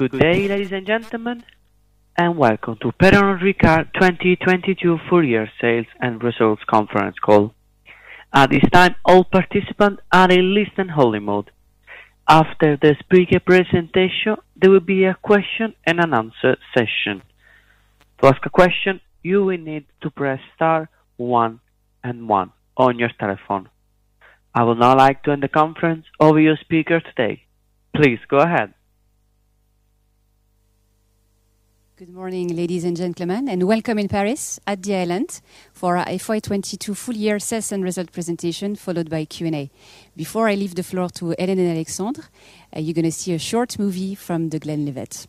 Good day, ladies and gentlemen, and welcome to Pernod Ricard 2022 full year sales and results conference call. At this time, all participants are in listen-only mode. After the speaker presentation, there will be a question and an answer session. To ask a question, you will need to press star one and one on your telephone. I would now like to hand the conference over to your speaker today. Please go ahead. Good morning, ladies and gentlemen, and welcome in Paris at The Island for our FY 2022 full year sales and results presentation, followed by Q&A. Before I leave the floor to Hélène and Alexandre, you're gonna see a short movie from The Glenlivet.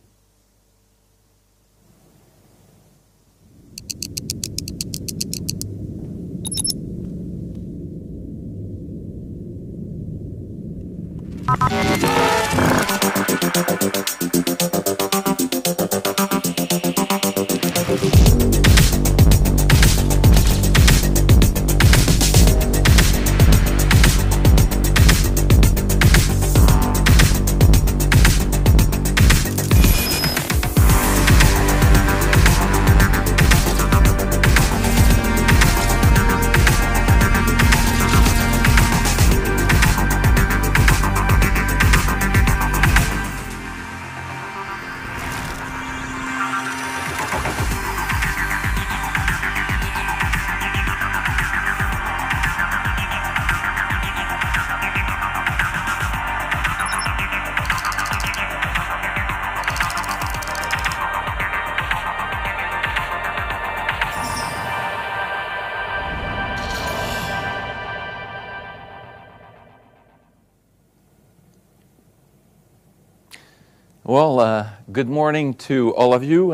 Well, good morning to all of you.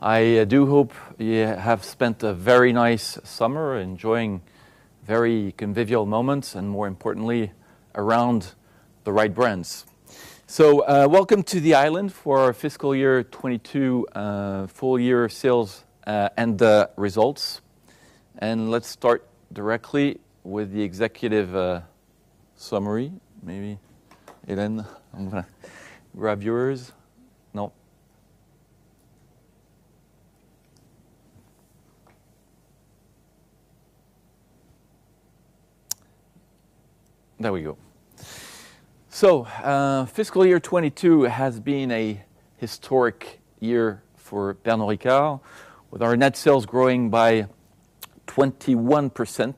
I do hope you have spent a very nice summer enjoying very convivial moments and more importantly, around the right brands. Welcome to the Island for our fiscal year 2022 full year sales and results. Let's start directly with the executive summary. Maybe, Hélène, I'm gonna grab yours. No. There we go. Fiscal year 2022 has been a historic year for Pernod Ricard, with our net sales growing by 21%,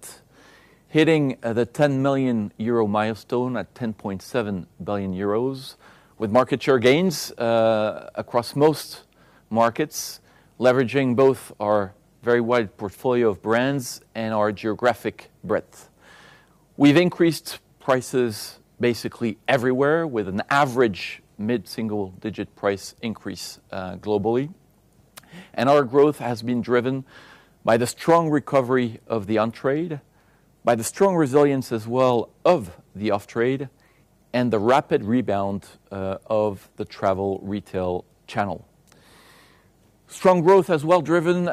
hitting the 10 billion euro milestone at 10.7 billion euros, with market share gains across most markets, leveraging both our very wide portfolio of brands and our geographic breadth. We've increased prices basically everywhere with an average mid-single digit price increase globally. Our growth has been driven by the strong recovery of the on-trade, by the strong resilience as well of the off-trade, and the rapid rebound of the travel retail channel. Strong growth as well driven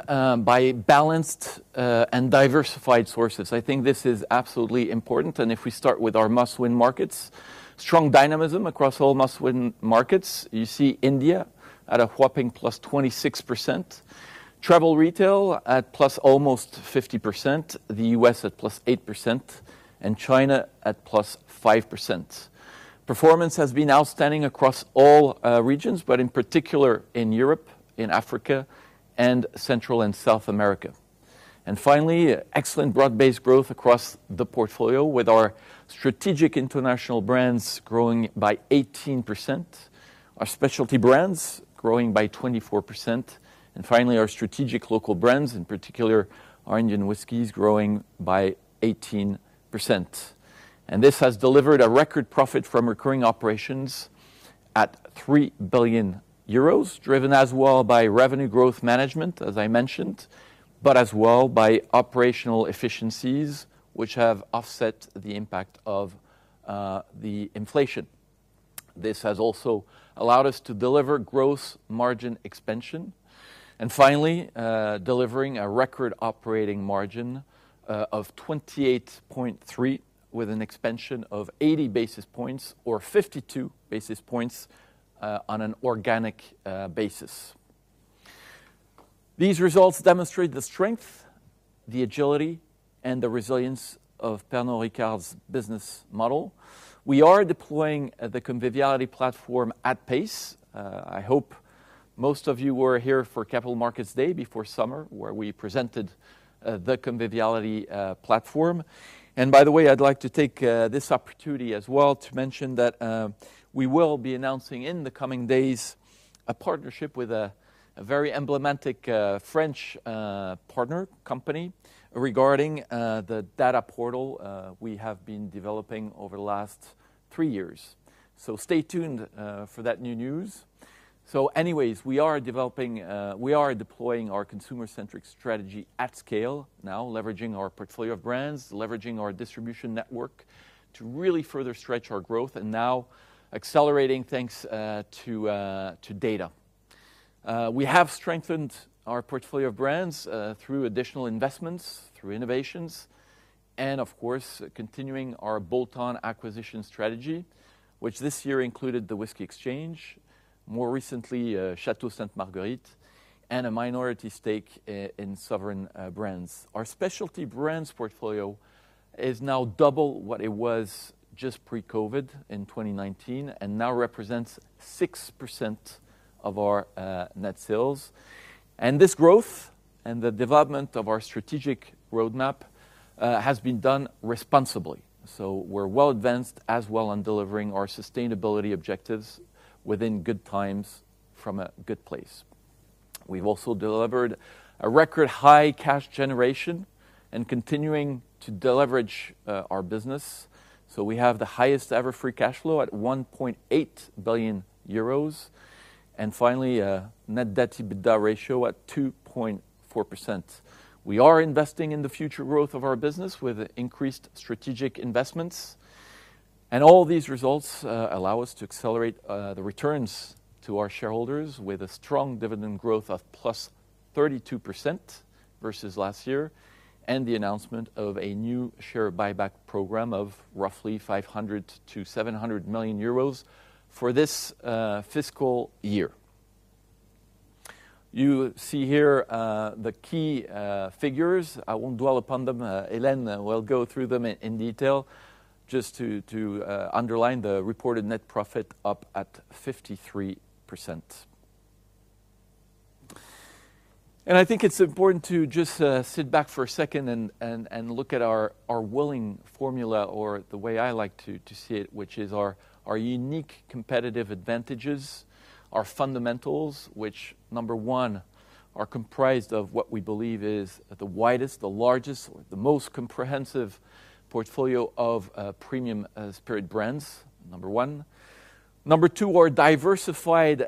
by balanced and diversified sources. I think this is absolutely important. If we start with our must-win markets, strong dynamism across all must-win markets. You see India at a whopping +26%, travel retail at + almost 50%, the U.S. at +8%, and China at +5%. Performance has been outstanding across all regions, but in particular in Europe, in Africa, and Central and South America. Finally, excellent broad-based growth across the portfolio with our strategic international brands growing by 18%, our specialty brands growing by 24%, and finally, our strategic local brands, in particular our Indian whiskies, growing by 18%. This has delivered a record profit from recurring operations at 3 billion euros, driven as well by revenue growth management, as I mentioned, but as well by operational efficiencies, which have offset the impact of the inflation. This has also allowed us to deliver growth margin expansion. Finally, delivering a record operating margin of 28.3% with an expansion of 80 basis points or 52 basis points on an organic basis. These results demonstrate the strength, the agility, and the resilience of Pernod Ricard's business model. We are deploying the Conviviality Platform at pace. I hope most of you were here for Capital Markets Day before summer, where we presented the Conviviality Platform. By the way, I'd like to take this opportunity as well to mention that we will be announcing in the coming days a partnership with a very emblematic French partner company regarding the data portal we have been developing over the last three years. Stay tuned for that new news. Anyways, we are deploying our consumer-centric strategy at scale now, leveraging our portfolio of brands, leveraging our distribution network to really further stretch our growth and now accelerating thanks to data. We have strengthened our portfolio of brands through additional investments, through innovations, and of course, continuing our bolt-on acquisition strategy, which this year included The Whisky Exchange, more recently, Château Sainte Marguerite, and a minority stake in Sovereign Brands. Our specialty brands portfolio is now double what it was just pre-COVID in 2019, and now represents 6% of our net sales. This growth and the development of our strategic roadmap has been done responsibly. We're well advanced as well on delivering our sustainability objectives within Good Times from a Good Place. We've also delivered a record high cash generation and continuing to deleverage our business. We have the highest ever free cash flow at 1.8 billion euros, and finally, a net debt-to-EBITDA ratio at 2.4%. We are investing in the future growth of our business with increased strategic investments. All these results allow us to accelerate the returns to our shareholders with a strong dividend growth of +32% versus last year, and the announcement of a new share buyback program of roughly 500 million-700 million euros for this fiscal year. You see here the key figures. I won't dwell upon them. Hélène will go through them in detail just to underline the reported net profit up at 53%. I think it's important to just sit back for a second and look at our winning formula or the way I like to see it, which is our unique competitive advantages, our fundamentals, which number one are comprised of what we believe is the widest, the largest, the most comprehensive portfolio of premium spirit brands, number one. Number two, our diversified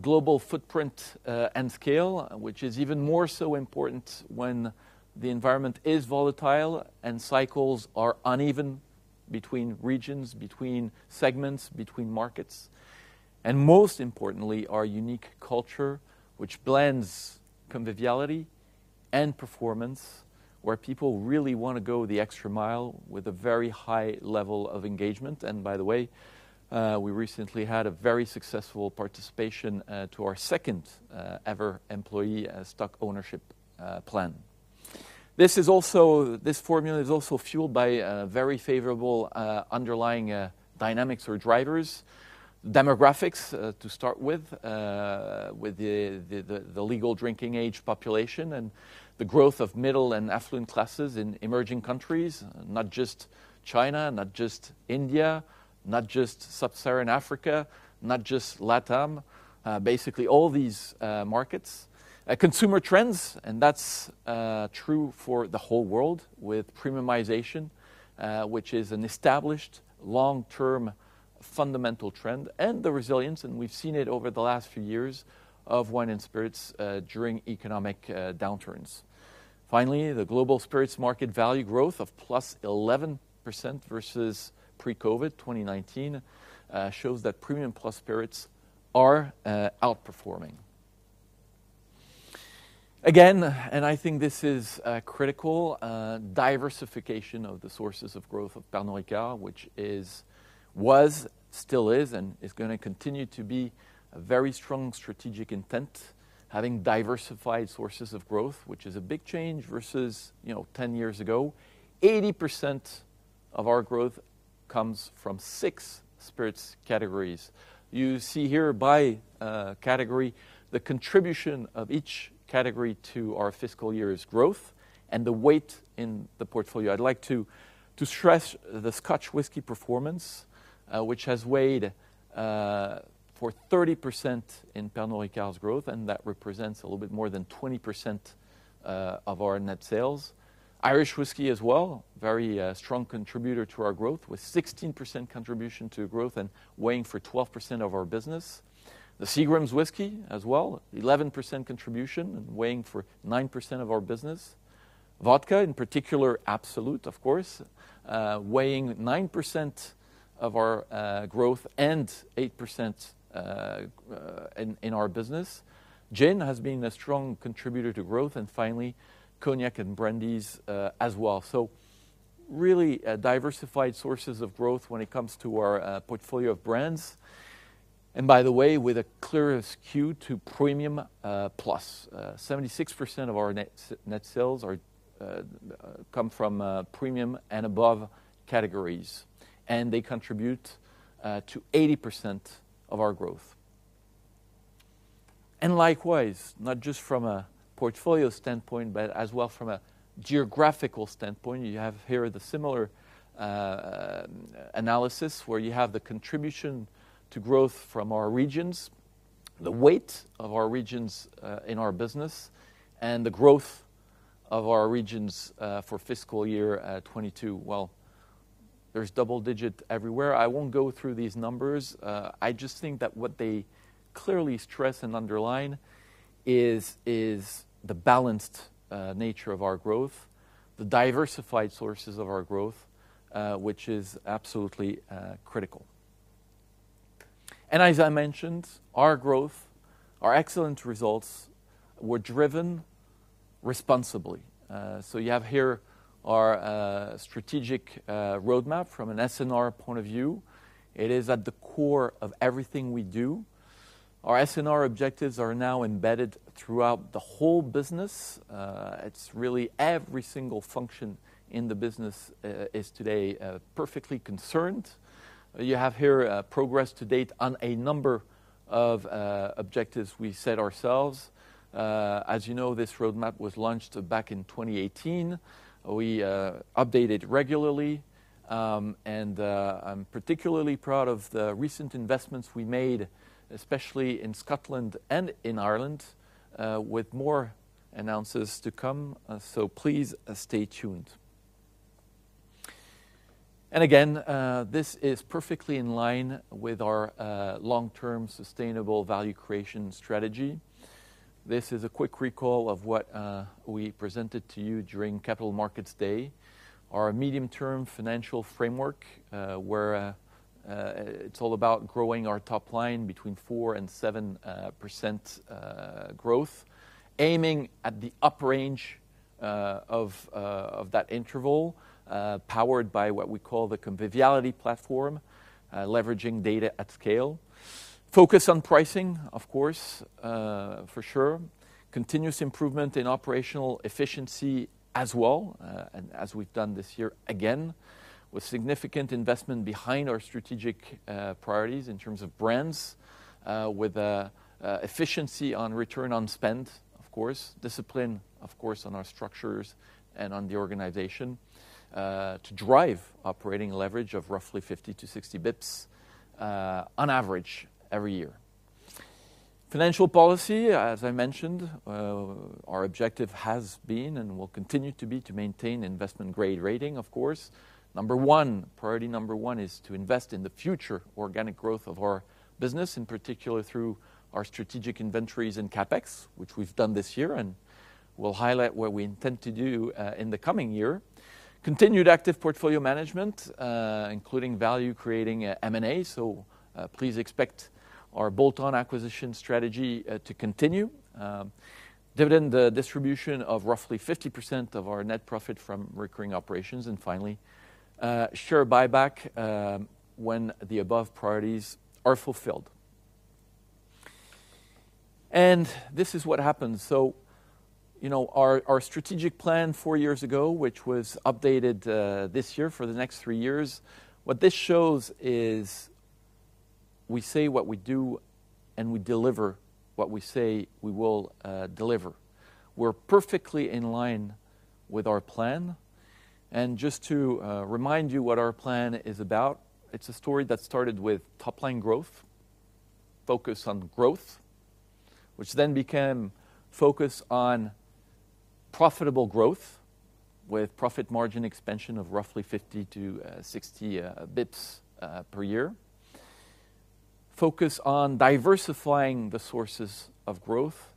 global footprint and scale, which is even more so important when the environment is volatile and cycles are uneven between regions, between segments, between markets. Most importantly, our unique culture, which blends conviviality and performance, where people really wanna go the extra mile with a very high level of engagement. By the way, we recently had a very successful participation to our second ever employee stock ownership plan. This is also- This formula is also fueled by very favorable underlying dynamics or drivers. Demographics, to start with the legal drinking age population and the growth of middle and affluent classes in emerging countries, not just China, not just India, not just Sub-Saharan Africa, not just LATAM, basically all these markets. Consumer trends, and that's true for the whole world with premiumization, which is an established long-term fundamental trend, and the resilience, and we've seen it over the last few years, of wine and spirits during economic downturns. Finally, the global spirits market value growth of +11% versus pre-COVID, 2019, shows that premium plus spirits are outperforming. Again, and I think this is critical, diversification of the sources of growth of Pernod Ricard, which is... Was, still is, and is gonna continue to be a very strong strategic intent, having diversified sources of growth, which is a big change versus, you know, 10 years ago. 80% of our growth comes from six spirits categories. You see here by category, the contribution of each category to our fiscal year's growth and the weight in the portfolio. I'd like to stress the Scotch Whisky performance, which has weighted for 30% in Pernod Ricard's growth, and that represents a little bit more than 20% of our net sales. Irish Whiskey as well, very strong contributor to our growth with 16% contribution to growth and weighing for 12% of our business. The Seagram's whisky as well, 11% contribution and weighing for 9% of our business. Vodka, in particular Absolut, of course, weighting 9% of our growth and 8% in our business. Gin has been a strong contributor to growth. Finally, Cognac & Brandies, as well. Really, diversified sources of growth when it comes to our portfolio of brands. By the way, with a clear skew to premium plus. 76% of our net sales come from premium and above categories, and they contribute to 80% of our growth. Likewise, not just from a portfolio standpoint, but as well from a geographical standpoint, you have here the similar analysis where you have the contribution to growth from our regions, the weight of our regions in our business, and the growth of our regions for fiscal year 2022. Well, there's double digit everywhere. I won't go through these numbers. I just think that what they clearly stress and underline is the balanced nature of our growth, the diversified sources of our growth, which is absolutely critical. As I mentioned, our growth, our excellent results were driven responsibly. You have here our strategic roadmap from an S&R point of view. It is at the core of everything we do. Our S&R objectives are now embedded throughout the whole business. It's really every single function in the business is today perfectly concerned. You have here progress to date on a number of objectives we set ourselves. As you know, this roadmap was launched back in 2018. We update it regularly, and I'm particularly proud of the recent investments we made, especially in Scotland and in Ireland, with more announcements to come. Please stay tuned. Again, this is perfectly in line with our long-term sustainable value creation strategy. This is a quick recall of what we presented to you during Capital Markets Day. Our medium-term financial framework, where it's all about growing our top line between 4%-7% growth, aiming at the upper range of that interval, powered by what we call the Conviviality Platform, leveraging data at scale. Focus on pricing, of course, for sure. Continuous improvement in operational efficiency as well, and as we've done this year again, with significant investment behind our strategic priorities in terms of brands, with efficiency on return on spend, of course, discipline, of course, on our structures and on the organization, to drive operating leverage of roughly 50-60 basis points on average every year. Financial policy, as I mentioned, our objective has been and will continue to be to maintain investment-grade rating, of course. Number one, priority number one is to invest in the future organic growth of our business, in particular through our strategic inventories and CapEx, which we've done this year, and we'll highlight what we intend to do in the coming year. Continued active portfolio management, including value creating M&A. Please expect our bolt-on acquisition strategy to continue. Dividend distribution of roughly 50% of our net profit from recurring operations. Finally, share buyback when the above priorities are fulfilled. This is what happened. You know, our strategic plan four years ago, which was updated this year for the next three years, what this shows is we say what we do and we deliver what we say we will deliver. We're perfectly in line with our plan. Just to remind you what our plan is about, it's a story that started with top-line growth, focus on growth, which then became focus on profitable growth with profit margin expansion of roughly 50-60 basis points per year. Focus on diversifying the sources of growth,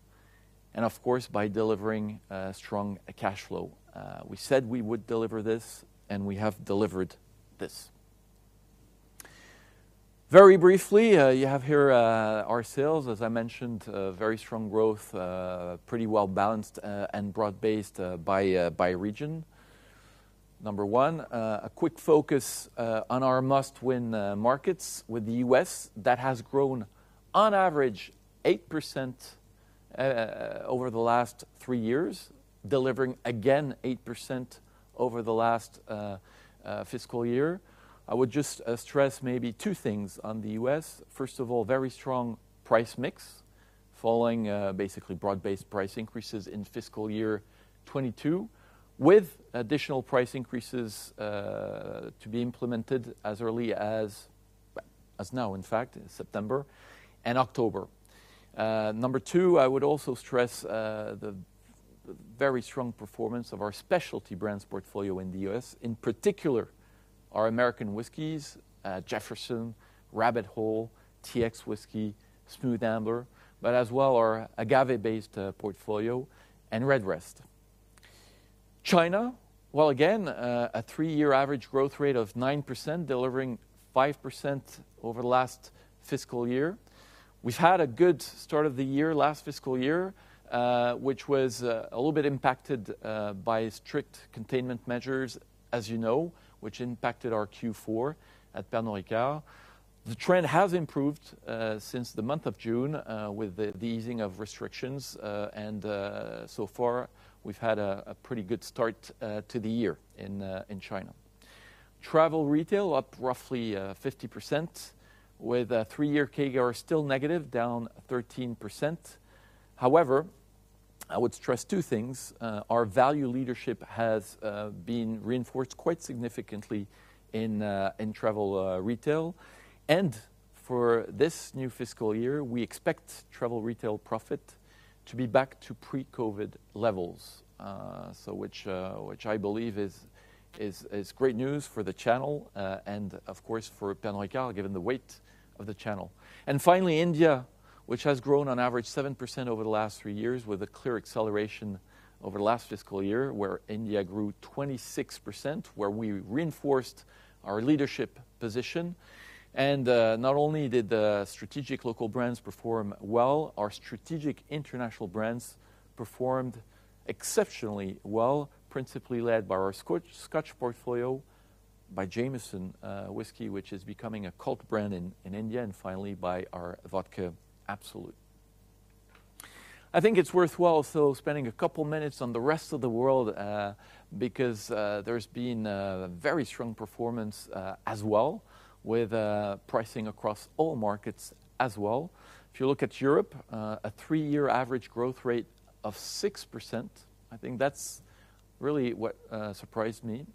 and of course, by delivering strong cash flow. We said we would deliver this, and we have delivered this. Very briefly, you have here our sales. As I mentioned, very strong growth, pretty well-balanced, and broad-based, by region. Number one, a quick focus on our must-win markets with the U.S. that has grown on average 8% over the last three years, delivering again 8% over the last fiscal year. I would just stress maybe two things on the U.S. First of all, very strong price mix following basically broad-based price increases in fiscal year 2022 with additional price increases to be implemented as early as now, in fact, September and October. Number two, I would also stress the very strong performance of our specialty brands portfolio in the U.S., in particular our American whiskeys, Jefferson's, Rabbit Hole, TX Whiskey, Smooth Ambler, but as well our agave-based portfolio and Redbreast. China, well, again, a three-year average growth rate of 9%, delivering 5% over the last fiscal year. We've had a good start of the year last fiscal year, which was a little bit impacted by strict containment measures, as you know, which impacted our Q4 at Pernod Ricard. The trend has improved since the month of June with the easing of restrictions and so far we've had a pretty good start to the year in China. Travel retail up roughly 50% with a three-year CAGR still negative, down 13%. However, I would stress two things. Our value leadership has been reinforced quite significantly in travel retail. For this new fiscal year, we expect travel retail profit to be back to pre-COVID levels. Which I believe is great news for the channel, and of course for Pernod Ricard, given the weight of the channel. Finally, India, which has grown on average 7% over the last three years with a clear acceleration over the last fiscal year, where India grew 26%, where we reinforced our leadership position. Not only did the strategic local brands perform well, our strategic international brands performed exceptionally well, principally led by our Scotch portfolio, by Jameson whiskey, which is becoming a cult brand in India, and finally by our vodka, Absolut. I think it's worthwhile also spending a couple minutes on the rest of the world, because there's been very strong performance as well with pricing across all markets as well. If you look at Europe, a three-year average growth rate of 6%, I think that's really what surprised me.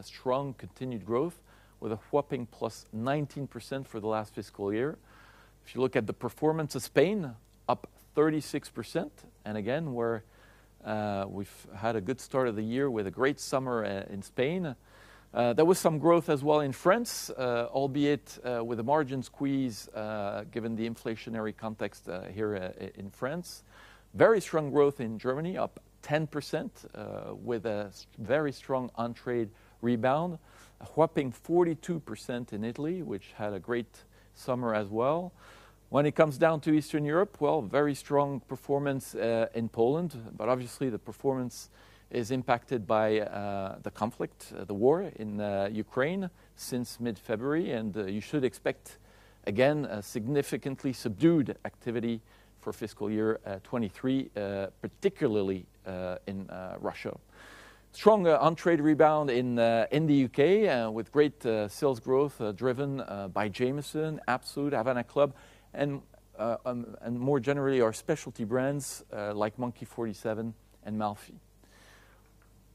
Strong continued growth with a whopping +19% for the last fiscal year. If you look at the performance of Spain, up 36%, and again, we've had a good start of the year with a great summer in Spain. There was some growth as well in France, albeit with a margin squeeze, given the inflationary context here in France. Very strong growth in Germany, up 10%, with very strong on-trade rebound. A whopping 42% in Italy, which had a great summer as well. When it comes down to Eastern Europe, well, very strong performance in Poland, but obviously the performance is impacted by the conflict, the war in Ukraine since mid-February. You should expect, again, a significantly subdued activity for fiscal year 2023, particularly in Russia. Strong on-trade rebound in the U.K. with great sales growth driven by Jameson, Absolut, Havana Club, and more generally our specialty brands like Monkey 47 and Malfy.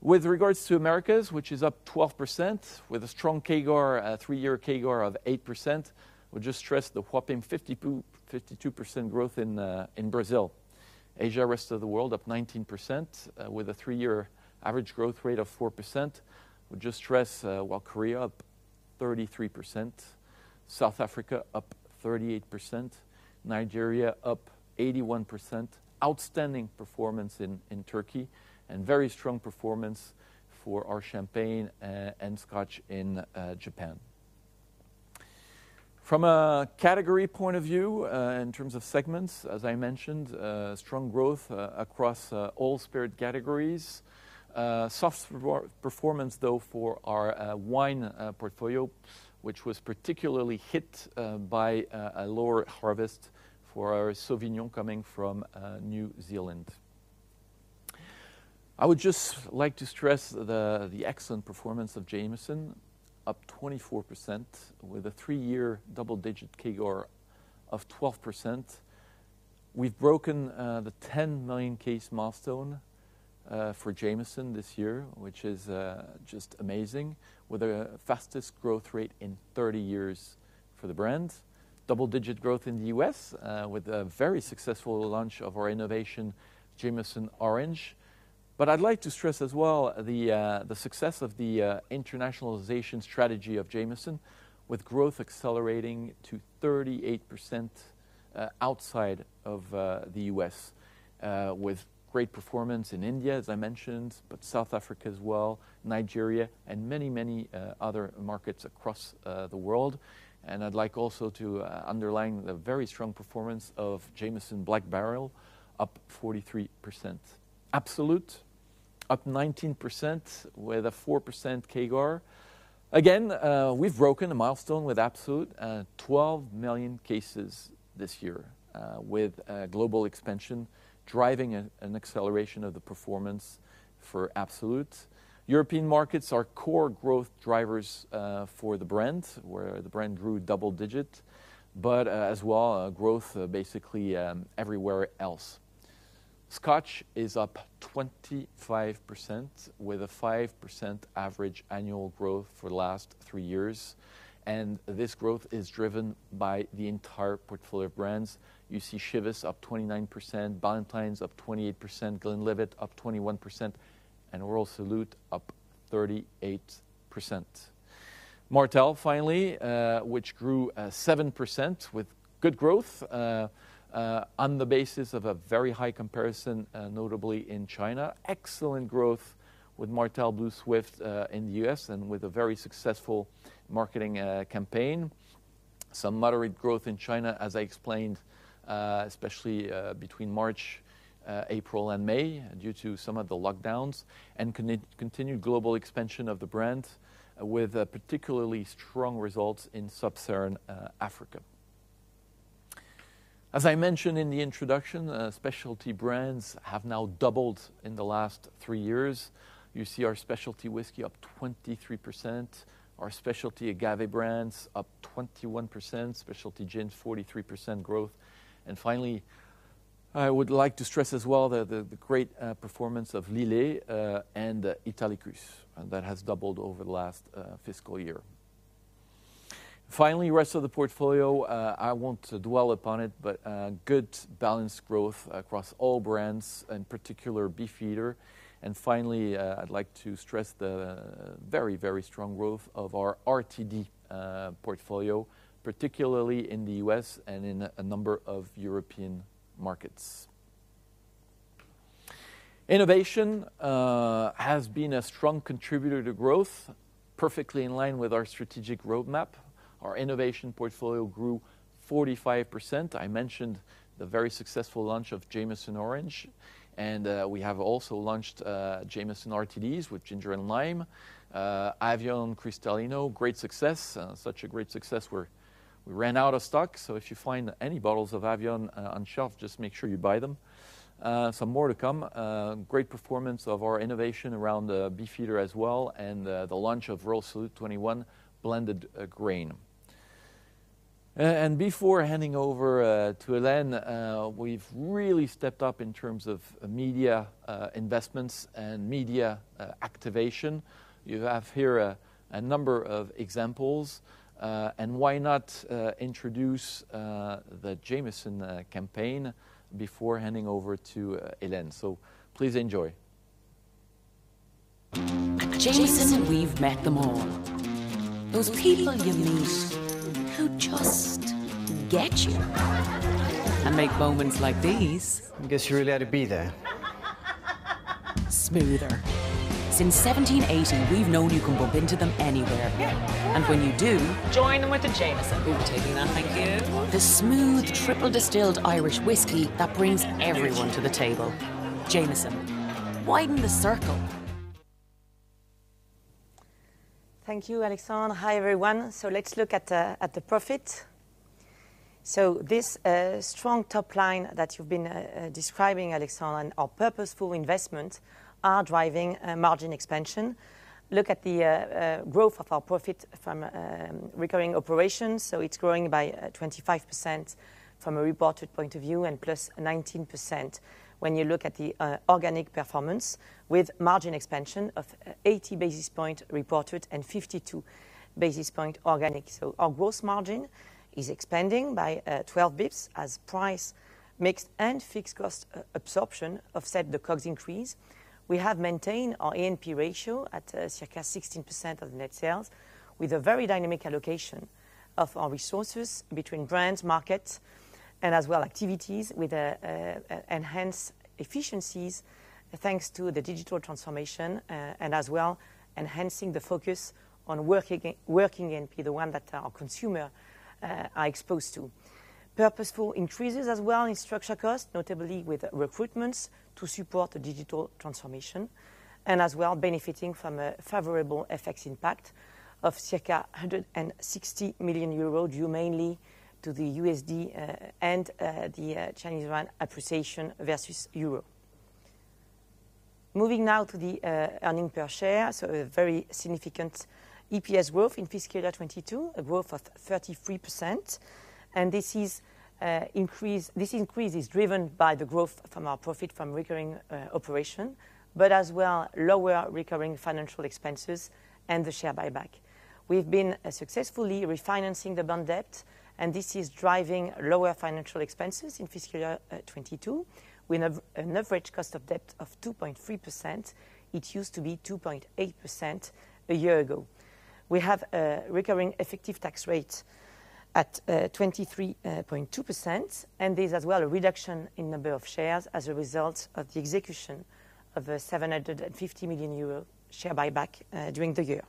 With regards to Americas, which is up 12% with a strong CAGR, three-year CAGR of 8%. We just stressed the whopping 52% growth in Brazil. Asia rest of the world up 19%, with a three-year average growth rate of 4%. We just stress, while Korea up 33%, South Africa up 38%, Nigeria up 81%, outstanding performance in Turkey, and very strong performance for our champagne and scotch in Japan. From a category point of view, in terms of segments, as I mentioned, strong growth across all spirit categories. Soft performance though for our wine portfolio, which was particularly hit by a lower harvest for our Sauvignon coming from New Zealand. I would just like to stress the excellent performance of Jameson, up 24% with a three-year double-digit CAGR of 12%. We've broken the 10 million case milestone for Jameson this year, which is just amazing, with the fastest growth rate in 30 years for the brand. Double-digit growth in the U.S., with a very successful launch of our innovation, Jameson Orange. I'd like to stress as well the success of the internationalization strategy of Jameson, with growth accelerating to 38% outside of the U.S., with great performance in India, as I mentioned, but South Africa as well, Nigeria, and many, many other markets across the world. I'd like also to underline the very strong performance of Jameson Black Barrel, up 43%. Absolut, up 19% with a 4% CAGR. We've broken a milestone with Absolut, 12 million cases this year, with a global expansion driving an acceleration of the performance for Absolut. European markets are core growth drivers for the brand, where the brand grew double-digit, but as well, growth basically everywhere else. Scotch is up 25% with a 5% average annual growth for the last three years. This growth is driven by the entire portfolio of brands. You see Chivas up 29%, Ballantine's up 28%, Glenlivet up 21%, and Royal Salute up 38%. Martell finally, which grew 7% with good growth on the basis of a very high comparison, notably in China. Excellent growth with Martell Blue Swift in the U.S. and with a very successful marketing campaign. Some moderate growth in China, as I explained, especially between March, April and May due to some of the lockdowns, and continued global expansion of the brand with particularly strong results in Sub-Saharan Africa. As I mentioned in the introduction, specialty brands have now doubled in the last three years. You see our specialty whiskey up 23%, our specialty agave brands up 21%, specialty gin 43% growth. I would like to stress as well the great performance of Lillet and Italicus that has doubled over the last fiscal year. Rest of the portfolio, I won't dwell upon it, but good balanced growth across all brands, in particular, Beefeater. Finally, I'd like to stress the very, very strong growth of our RTD portfolio, particularly in the U.S. and in a number of European markets. Innovation has been a strong contributor to growth, perfectly in line with our strategic roadmap. Our innovation portfolio grew 45%. I mentioned the very successful launch of Jameson Orange, and we have also launched Jameson RTDs with ginger and lime. Avión Cristalino, great success. Such a great success, we ran out of stock, so if you find any bottles of Avión on shelf, just make sure you buy them. Some more to come. Great performance of our innovation around Beefeater as well, and the launch of Royal Salute 21 Blended Grain. Before handing over to Hélène, we've really stepped up in terms of media investments and media activation. You have here a number of examples. Why not introduce the Jameson campaign before handing over to Hélène? Please enjoy. At Jameson, we've met them all. Those people you meet who just get you. Make moments like these. I guess you really had to be there. Smoother. Since 1780, we've known you can bump into them anywhere. When you do. Join them with a Jameson. We'll be taking that, thank you. The smooth, triple-distilled Irish Whiskey that brings everyone to the table. Jameson, widen the circle. Thank you, Alexandre. Hi, everyone. Let's look at the profit. This strong top line that you've been describing, Alexandre, or purposeful investment are driving margin expansion. Look at the growth of our profit from recurring operations. It's growing by 25% from a reported point of view, and +19% when you look at the organic performance with margin expansion of 80 basis points reported and 52 basis points organic. Our gross margin is expanding by 12 basis points as price, mix, and fixed cost absorption offset the COGS increase. We have maintained our A&P ratio at circa 16% of net sales with a very dynamic allocation of our resources between brands, markets, and as well activities with enhanced efficiencies, thanks to the digital transformation, and as well enhancing the focus on working A&P, the one that our consumers are exposed to. Purposeful increases as well in structural costs, notably with recruitments to support the digital transformation, and as well benefiting from a favorable FX impact of circa 160 million euros, due mainly to the USD and the Chinese yuan appreciation versus euro. Moving now to the earnings per share. A very significant EPS growth in fiscal year 2022, a growth of 33%. This increase is driven by the growth from our profit from recurring operation, but as well lower recurring financial expenses and the share buyback. We've been successfully refinancing the bond debt, and this is driving lower financial expenses in fiscal year 2022. We have an average cost of debt of 2.3%. It used to be 2.8% a year ago. We have a recurring effective tax rate at 23.2%, and there's as well a reduction in number of shares as a result of the execution of the 750 million euro share buyback during the year.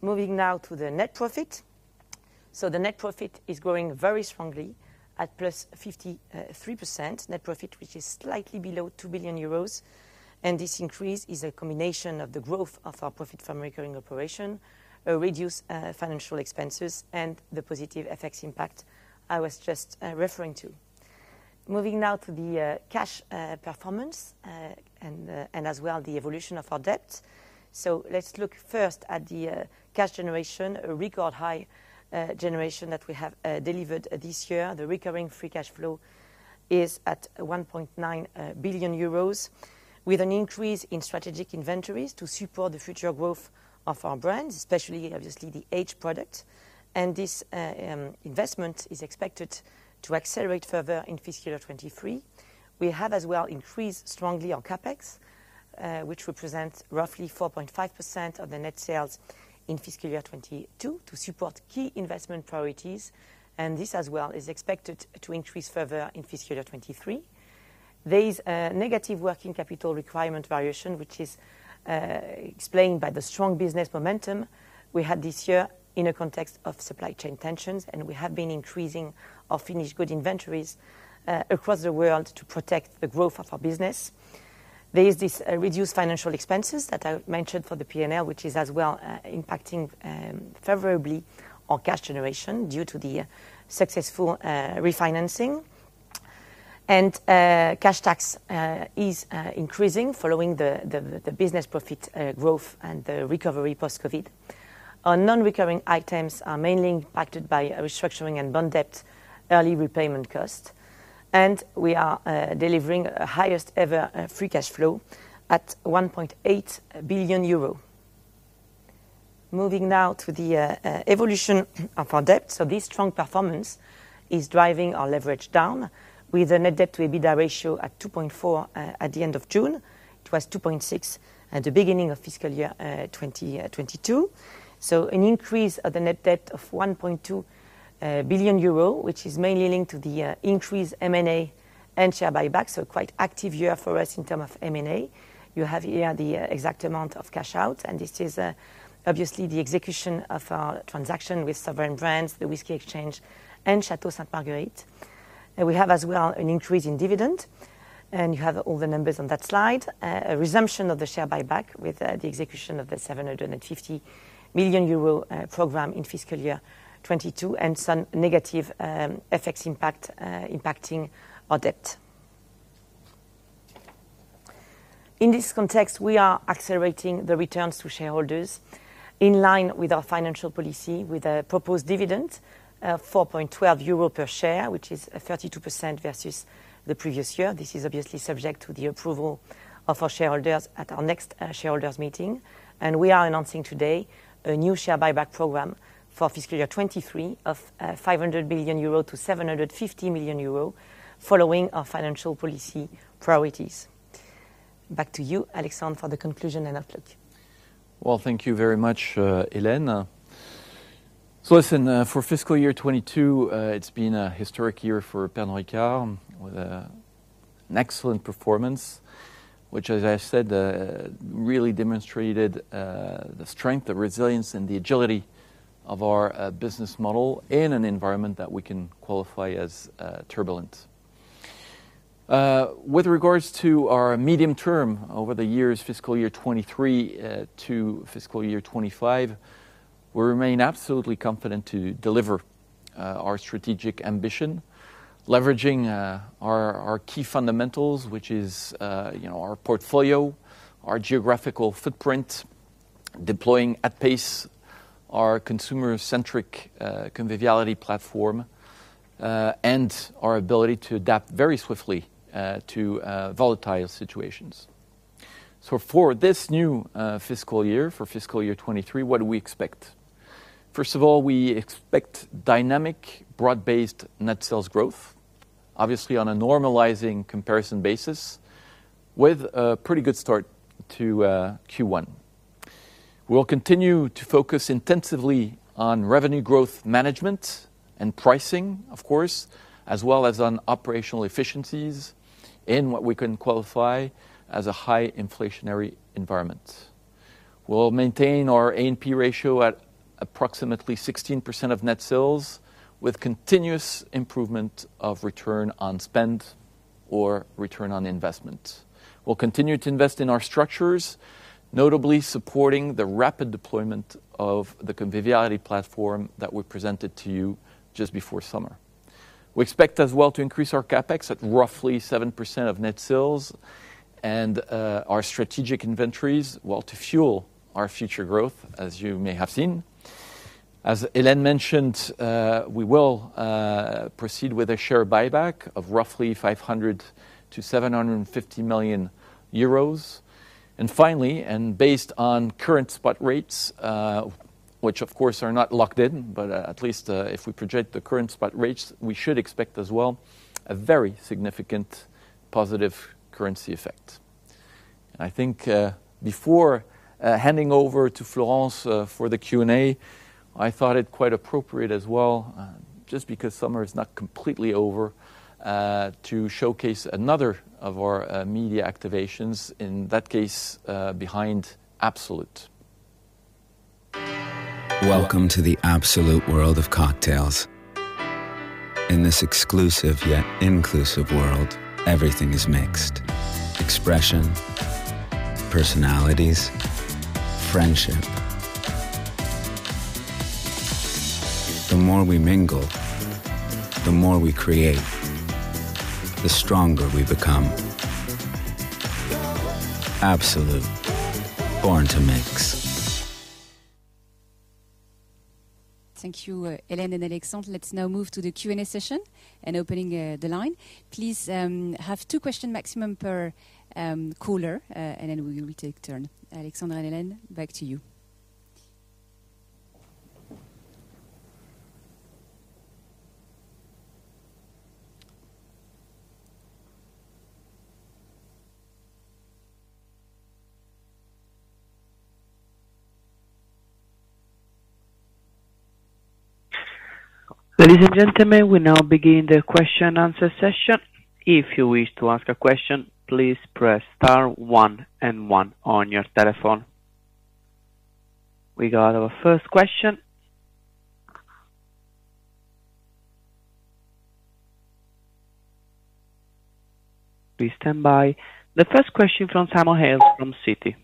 Moving now to the net profit. The net profit is growing very strongly at +53% net profit, which is slightly below 2 billion euros. This increase is a combination of the growth of our profit from recurring operations, reduced financial expenses, and the positive FX impact I was just referring to. Moving now to the cash performance and as well the evolution of our debt. Let's look first at the cash generation, a record high generation that we have delivered this year. The recurring free cash flow is at 1.9 billion euros, with an increase in strategic inventories to support the future growth of our brands, especially obviously the agave product. This investment is expected to accelerate further in fiscal year 2023. We have as well increased strongly on CapEx, which represents roughly 4.5% of the net sales in fiscal year 2022 to support key investment priorities, and this as well is expected to increase further in fiscal year 2023. There is a negative working capital requirement variation, which is explained by the strong business momentum we had this year in a context of supply chain tensions, and we have been increasing our finished goods inventories across the world to protect the growth of our business. There is reduced financial expenses that I mentioned for the P&L, which is as well impacting favorably our cash generation due to the successful refinancing. Cash tax is increasing following the business profit growth and the recovery post-COVID. Our non-recurring items are mainly impacted by restructuring and bond debt early repayment cost. We are delivering highest ever free cash flow at 1.8 billion euro. Moving now to the evolution of our debt. This strong performance is driving our leverage down with a net debt to EBITDA ratio at 2.4 at the end of June. It was 2.6 at the beginning of fiscal year 2022. An increase of the net debt of 1.2 billion euro, which is mainly linked to the increased M&A and share buyback, so quite active year for us in terms of M&A. You have here the exact amount of cash out, and this is obviously the execution of our transaction with Sovereign Brands, The Whisky Exchange and Château Sainte Marguerite. We have as well an increase in dividend, and you have all the numbers on that slide. A resumption of the share buyback with the execution of the 750 million euro program in fiscal year 2022 and some negative FX impact impacting our debt. In this context, we are accelerating the returns to shareholders in line with our financial policy with a proposed dividend of 4.12 euro per share, which is 32% versus the previous year. This is obviously subject to the approval of our shareholders at our next shareholders meeting. We are announcing today a new share buyback program for fiscal year 2023 of 500 million-750 million euro following our financial policy priorities. Back to you, Alexandre, for the conclusion and outlook. Well, thank you very much, Hélène. Listen, for fiscal year 2022, it's been a historic year for Pernod Ricard with an excellent performance, which as I said, really demonstrated the strength, the resilience and the agility of our business model in an environment that we can qualify as turbulent. With regards to our medium term over the years fiscal year 2023 to fiscal year 2025, we remain absolutely confident to deliver our strategic ambition, leveraging our key fundamentals, which is you know, our portfolio, our geographical footprint, deploying at pace our consumer-centric Conviviality Platform, and our ability to adapt very swiftly to volatile situations. For this new fiscal year, for fiscal year 2023, what do we expect? First of all, we expect dynamic, broad-based net sales growth, obviously on a normalizing comparison basis with a pretty good start to Q1. We'll continue to focus intensively on revenue growth management and pricing, of course, as well as on operational efficiencies in what we can qualify as a high inflationary environment. We'll maintain our A&P ratio at approximately 16% of net sales with continuous improvement of return on spend or return on investment. We'll continue to invest in our structures, notably supporting the rapid deployment of the Conviviality Platform that we presented to you just before summer. We expect as well to increase our CapEx at roughly 7% of net sales and our strategic inventories while to fuel our future growth, as you may have seen. As Hélène mentioned, we will proceed with a share buyback of roughly 500 million-750 million euros. Finally, and based on current spot rates, which of course are not locked in, but at least, if we project the current spot rates, we should expect as well a very significant positive currency effect. I think, before handing over to Florence for the Q&A, I thought it quite appropriate as well, just because summer is not completely over, to showcase another of our media activations, in that case, behind Absolut. Welcome to the Absolut world of cocktails. In this exclusive yet inclusive world, everything is mixed, expression, personalities, friendship. The more we mingle, the more we create, the stronger we become. Absolut, born to mix. Thank you, Hélène and Alexandre. Let's now move to the Q&A session and opening the line. Please have two question maximum per caller, and then we will take turn. Alexandre and Hélène, back to you. Ladies and gentlemen, we now begin the question and answer session. If you wish to ask a question, please press star one and one on your telephone. We got our first question. Please stand by. The first question from Simon Hales from Citigroup.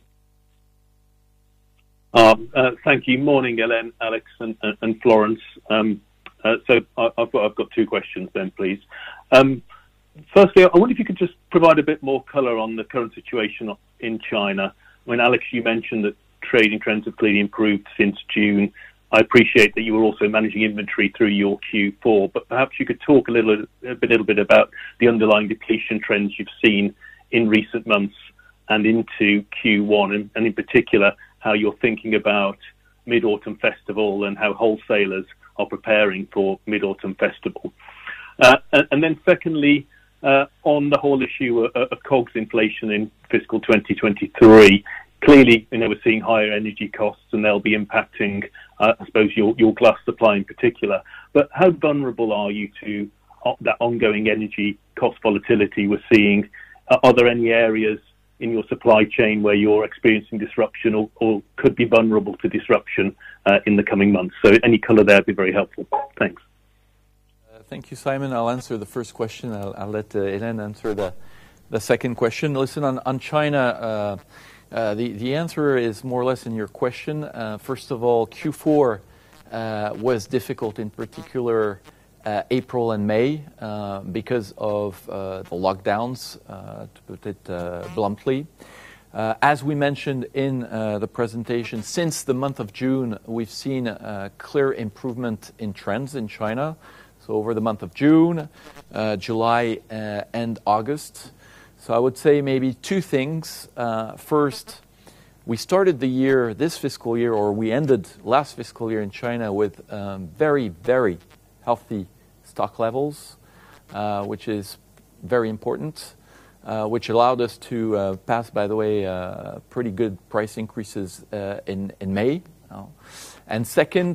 Thank you. Morning, Hélène, Alex, and Florence. I've got two questions, please. Firstly, I wonder if you could just provide a bit more color on the current situation in China. When Alex, you mentioned that trading trends have clearly improved since June. I appreciate that you are also managing inventory through your Q4, but perhaps you could talk a little bit about the underlying depletion trends you've seen in recent months and into Q1 and in particular, how you're thinking about Mid-Autumn Festival and how wholesalers are preparing for Mid-Autumn Festival. Secondly, on the whole issue of COGS inflation in fiscal 2023, clearly, you know, we're seeing higher energy costs and they'll be impacting, I suppose, your glass supply in particular. How vulnerable are you to that ongoing energy cost volatility we're seeing? Are there any areas in your supply chain where you're experiencing disruption or could be vulnerable to disruption in the coming months? Any color there would be very helpful. Thanks. Thank you, Simon. I'll answer the first question. I'll let Hélène answer the second question. Listen, on China, the answer is more or less in your question. First of all, Q4 was difficult, in particular April and May, because of the lockdowns, to put it bluntly. As we mentioned in the presentation, since the month of June, we've seen a clear improvement in trends in China, so over the month of June, July, and August. I would say maybe two things. First, we started the year, this fiscal year, or we ended last fiscal year in China with very healthy stock levels, which is very important, which allowed us to pass, by the way, pretty good price increases in May. Second,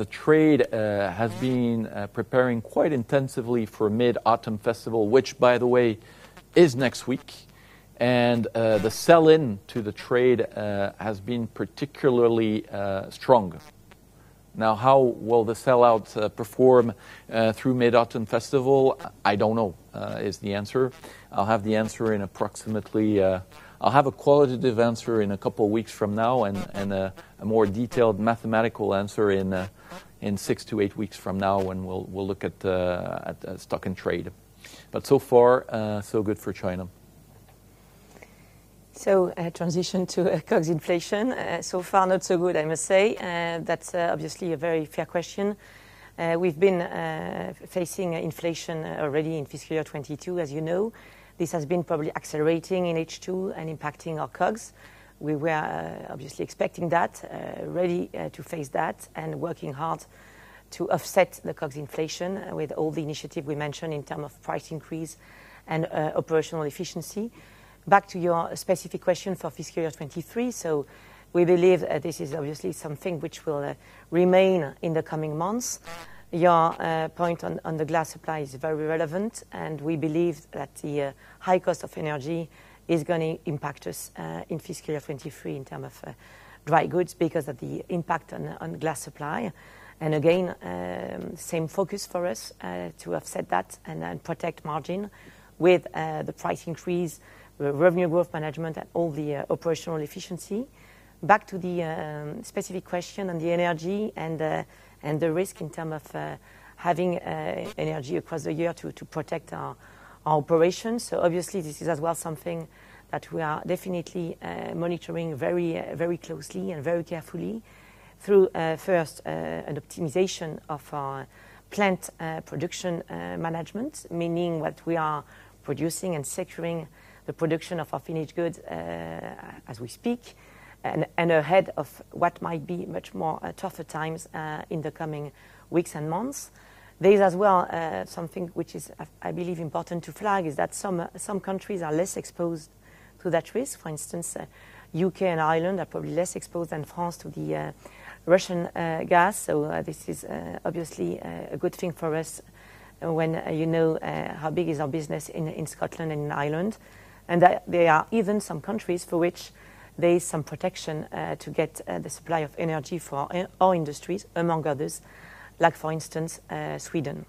the trade has been preparing quite intensively for Mid-Autumn Festival, which by the way is next week, and the sell-in to the trade has been particularly strong. Now, how will the sell-out perform through Mid-Autumn Festival? I don't know is the answer. I'll have a qualitative answer in a couple of weeks from now and a more detailed mathematical answer in six-eight weeks from now when we'll look at stock and trade. So far, so good for China. Transition to COGS inflation. So far not so good, I must say. That's obviously a very fair question. We've been facing inflation already in fiscal year 2022, as you know. This has been probably accelerating in H2 and impacting our COGS. We were obviously expecting that, ready to face that and working hard to offset the COGS inflation with all the initiative we mentioned in terms of price increase and operational efficiency. Back to your specific question for fiscal year 2023. We believe this is obviously something which will remain in the coming months. Your point on the glass supply is very relevant, and we believe that the high cost of energy is gonna impact us in fiscal year 2023 in terms of dry goods because of the impact on glass supply. Again, same focus for us to offset that and then protect margin with the price increase, the revenue growth management and all the operational efficiency. Back to the specific question on the energy and the risk in terms of having energy across the year to protect our operations. Obviously, this is as well something that we are definitely monitoring very, very closely and very carefully through first an optimization of our plant production management, meaning that we are producing and securing the production of our finished goods as we speak and ahead of what might be much more tougher times in the coming weeks and months. There is as well something which is, I believe important to flag is that some countries are less exposed to that risk. For instance, U.K. and Ireland are probably less exposed than France to the Russian gas. This is obviously a good thing for us when you know how big is our business in Scotland and Ireland. That there are even some countries for which there is some protection to get the supply of energy for our industries, among others, like for instance, Sweden.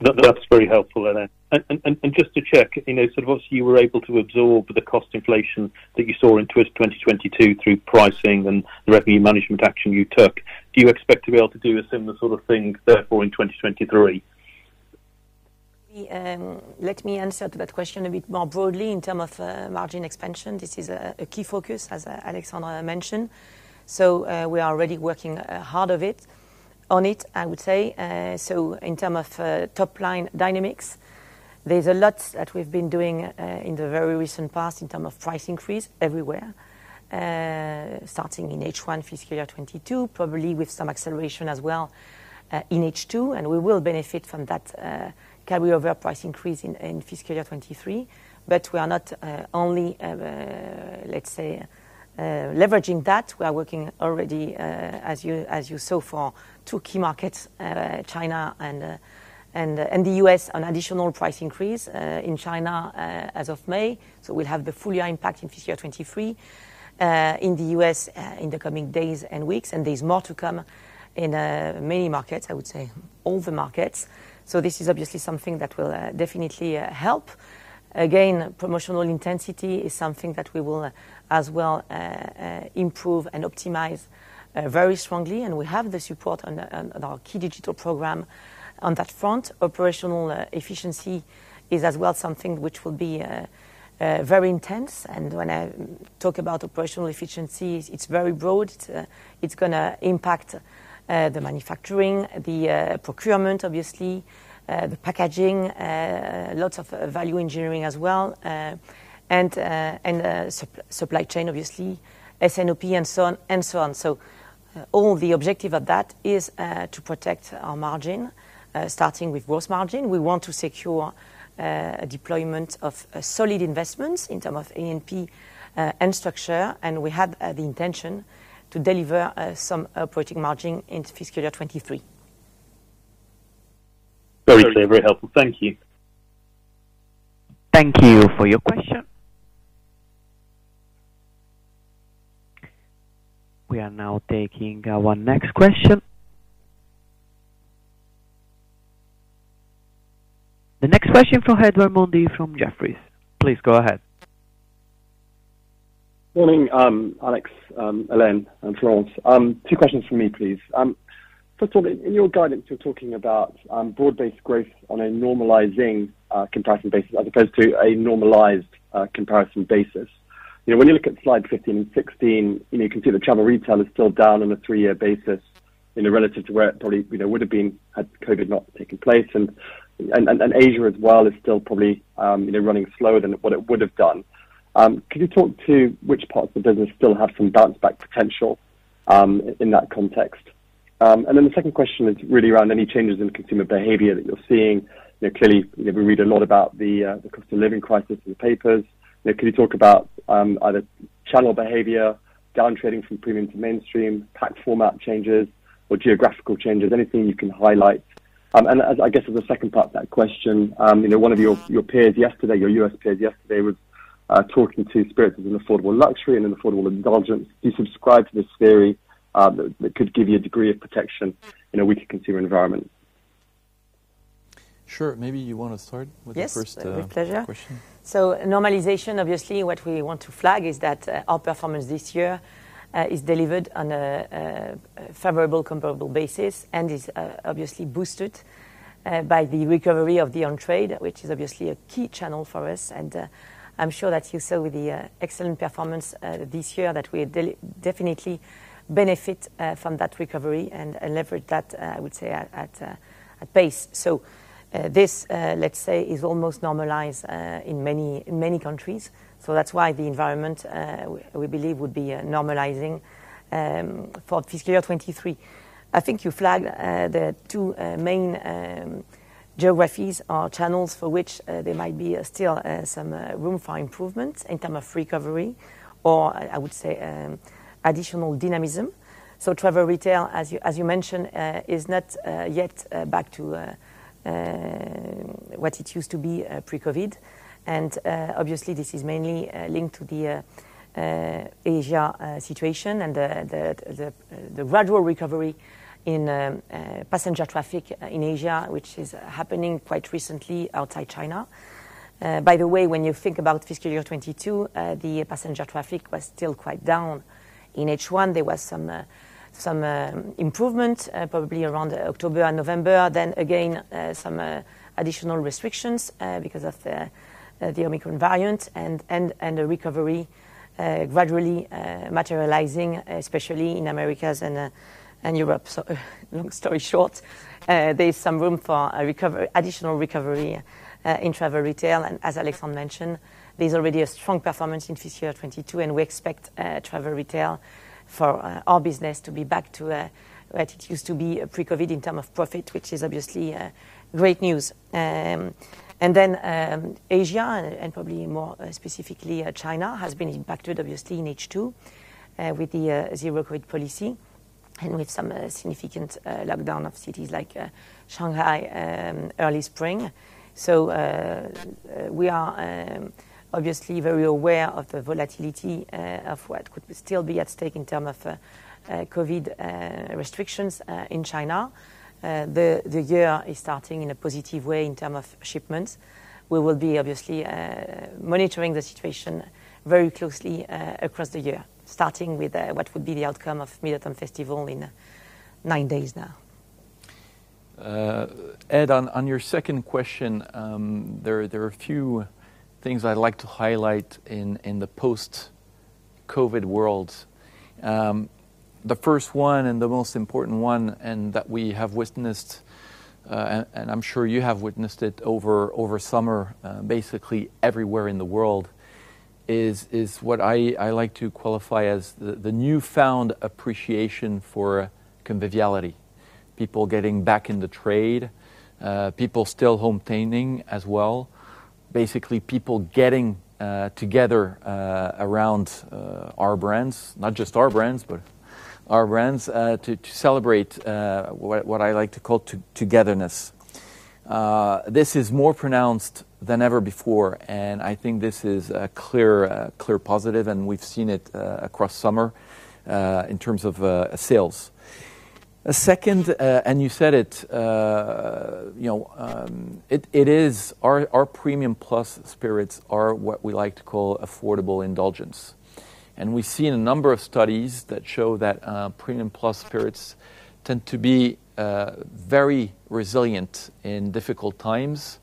That's very helpful, Hélène. Just to check, you know, so once you were able to absorb the cost inflation that you saw in FY 2022 through pricing and the revenue management action you took, do you expect to be able to do a similar sort of thing therefore in 2023? Let me answer to that question a bit more broadly in terms of margin expansion. This is a key focus as Alexandre mentioned. We are already working hard on it, I would say. In terms of top-line dynamics, there's a lot that we've been doing in the very recent past in terms of price increase everywhere, starting in H1 fiscal year 2022, probably with some acceleration as well in H2, and we will benefit from that carry over price increase in fiscal year 2023. We are not only, let's say, leveraging that. We are working already, as you saw for two key markets, China and the U.S. on additional price increase in China, as of May. We'll have the full year impact in fiscal year 2023 in the U.S. in the coming days and weeks. There's more to come in many markets, I would say all the markets. This is obviously something that will definitely help. Again, promotional intensity is something that we will as well improve and optimize very strongly. We have the support on our key digital program on that front. Operational efficiency is as well something which will be very intense. When I talk about operational efficiencies, it's very broad. It's gonna impact the manufacturing, the procurement obviously, the packaging, lots of value engineering as well, and the supply chain obviously, S&OP and so on and so on. All the objective of that is to protect our margin, starting with gross margin. We want to secure a deployment of solid investments in terms of A&P and structure, and we have the intention to deliver some operating margin into fiscal year 2023. Very clear. Very helpful. Thank you. Thank you for your question. We are now taking our next question. The next question from Edward Mundy from Jefferies. Please go ahead. Morning, Alexandre, Hélène, and Florence. Two questions from me, please. First of all, in your guidance, you're talking about broad-based growth on a normalizing comparison basis as opposed to a normalized comparison basis. You know, when you look at slide 15 and 16, you know, you can see the travel retail is still down on a three-year basis, you know, relative to where it probably, you know, would've been had COVID not taken place. Asia as well is still probably, you know, running slower than what it would've done. Could you talk to which parts of the business still have some bounce back potential in that context? The second question is really around any changes in consumer behavior that you're seeing. You know, clearly, you know, we read a lot about the cost of living crisis in the papers. You know, can you talk about either channel behavior, downtrading from premium to mainstream, pack format changes or geographical changes, anything you can highlight? As I guess, as a second part to that question, you know, one of your U.S. peers yesterday was talking about spirits as an affordable luxury and an affordable indulgence. Do you subscribe to this theory that could give you a degree of protection in a weaker consumer environment? Sure. Maybe you wanna start with the first question. Yes. With pleasure. Normalization, obviously, what we want to flag is that our performance this year is delivered on a favorable comparable basis and is obviously boosted by the recovery of the on trade, which is obviously a key channel for us. I'm sure that you saw with the excellent performance this year that we definitely benefit from that recovery and leverage that, I would say at pace. This, let's say, is almost normalized in many countries. That's why the environment we believe would be normalizing for fiscal year 2023. I think you flagged the two main geographies or channels for which there might be still some room for improvement in terms of recovery or I would say additional dynamism. Travel retail, as you mentioned, is not yet back to what it used to be pre-COVID. Obviously this is mainly linked to the Asian situation and the gradual recovery in passenger traffic in Asia, which is happening quite recently outside China. By the way, when you think about fiscal year 2022, the passenger traffic was still quite down. In H1, there was some improvement probably around October and November. Some additional restrictions because of the Omicron variant and a recovery gradually materializing, especially in Americas and Europe. Long story short, there's some room for additional recovery in travel retail. As Alexandre mentioned, there's already a strong performance in fiscal year 2022, and we expect travel retail for our business to be back to what it used to be pre-COVID in terms of profit, which is obviously great news. Asia and probably more specifically China has been impacted obviously in H2 with the zero COVID policy and with some significant lockdown of cities like Shanghai in early spring. We are obviously very aware of the volatility of what could still be at stake in terms of COVID restrictions in China. The year is starting in a positive way in terms of shipments. We will be obviously monitoring the situation very closely across the year, starting with what would be the outcome of Mid-Autumn Festival in nine days now. Ed, on your second question, there are a few things I'd like to highlight in the post-COVID world. The first one and the most important one, and that we have witnessed, and I'm sure you have witnessed it over summer, basically everywhere in the world is what I like to qualify as the newfound appreciation for conviviality. People getting back in the trade, people still home-taining as well. Basically, people getting together around our brands, not just our brands, but our brands, to celebrate what I like to call togetherness. This is more pronounced than ever before, and I think this is a clear positive, and we've seen it across summer in terms of sales. Second, you said it, you know, it is our premium plus spirits are what we like to call affordable indulgence. We've seen a number of studies that show that premium plus spirits tend to be very resilient in difficult times.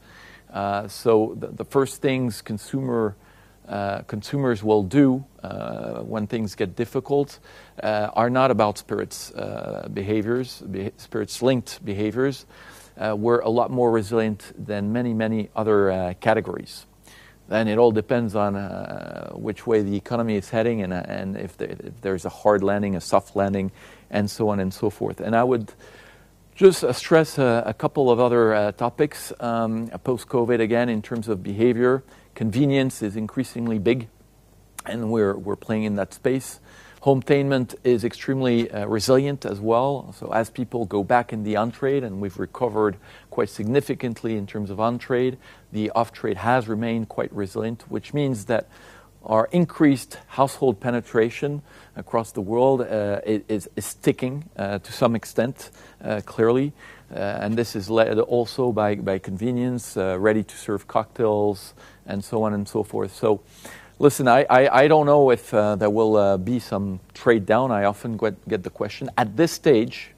The first things consumers will do when things get difficult are not about spirits-linked behaviors. We're a lot more resilient than many other categories. It all depends on which way the economy is heading and if there's a hard landing, a soft landing, and so on and so forth. I would just stress a couple of other topics post-COVID again, in terms of behavior. Convenience is increasingly big, and we're playing in that space. Home-tainment is extremely resilient as well. As people go back in the on-trade, and we've recovered quite significantly in terms of on-trade, the off-trade has remained quite resilient, which means that our increased household penetration across the world is sticking to some extent clearly. This is also by convenience ready-to-serve cocktails and so on and so forth. Listen, I don't know if there will be some trade down. I often get the question. At this stage,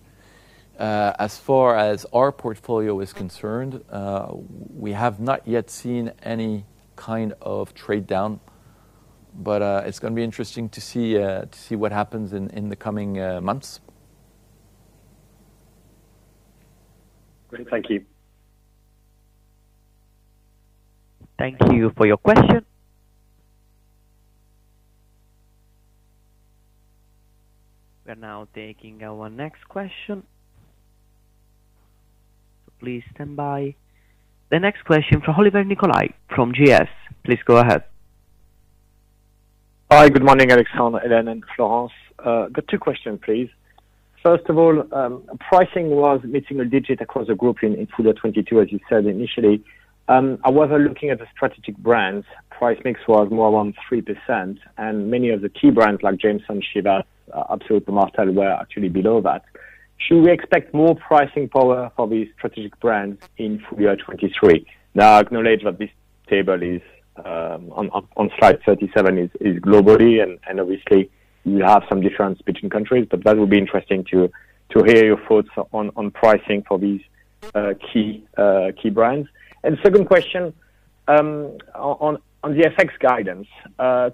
as far as our portfolio is concerned, we have not yet seen any kind of trade down, but it's gonna be interesting to see what happens in the coming months. Great. Thank you. Thank you for your question. We're now taking our next question. Please stand by. The next question from Olivier Nicolai from Goldman Sachs. Please go ahead. Hi. Good morning, Alexandre, Hélène, and Florence. Got two questions, please. First of all, pricing was mid-single digit across the group in full year 2022, as you said initially. However, looking at the strategic brands, price mix was more around 3%, and many of the key brands like Jameson, Chivas, Absolut, Martell were actually below that. Should we expect more pricing power for these strategic brands in full year 2023? Now, I acknowledge that this table, on slide 37, is globally and obviously you have some difference between countries, but that would be interesting to hear your thoughts on pricing for these key brands. Second question, on the FX guidance,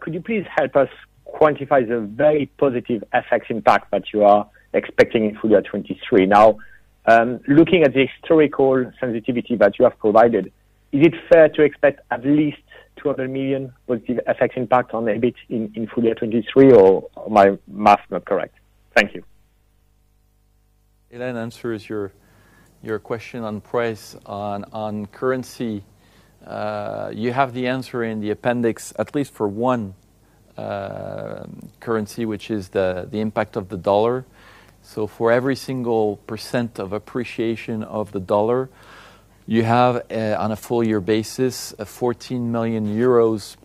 could you please help us quantify the very positive FX impact that you are expecting in full year 2023? Now, looking at the historical sensitivity that you have provided, is it fair to expect at least 200 million positive FX impact on EBIT in full year 2023, or my math not correct? Thank you. Hélène answers your question on price. On currency, you have the answer in the appendix at least for one currency, which is the impact of the dollar. For every single 1% of appreciation of the dollar, you have, on a full year basis, 14 million euros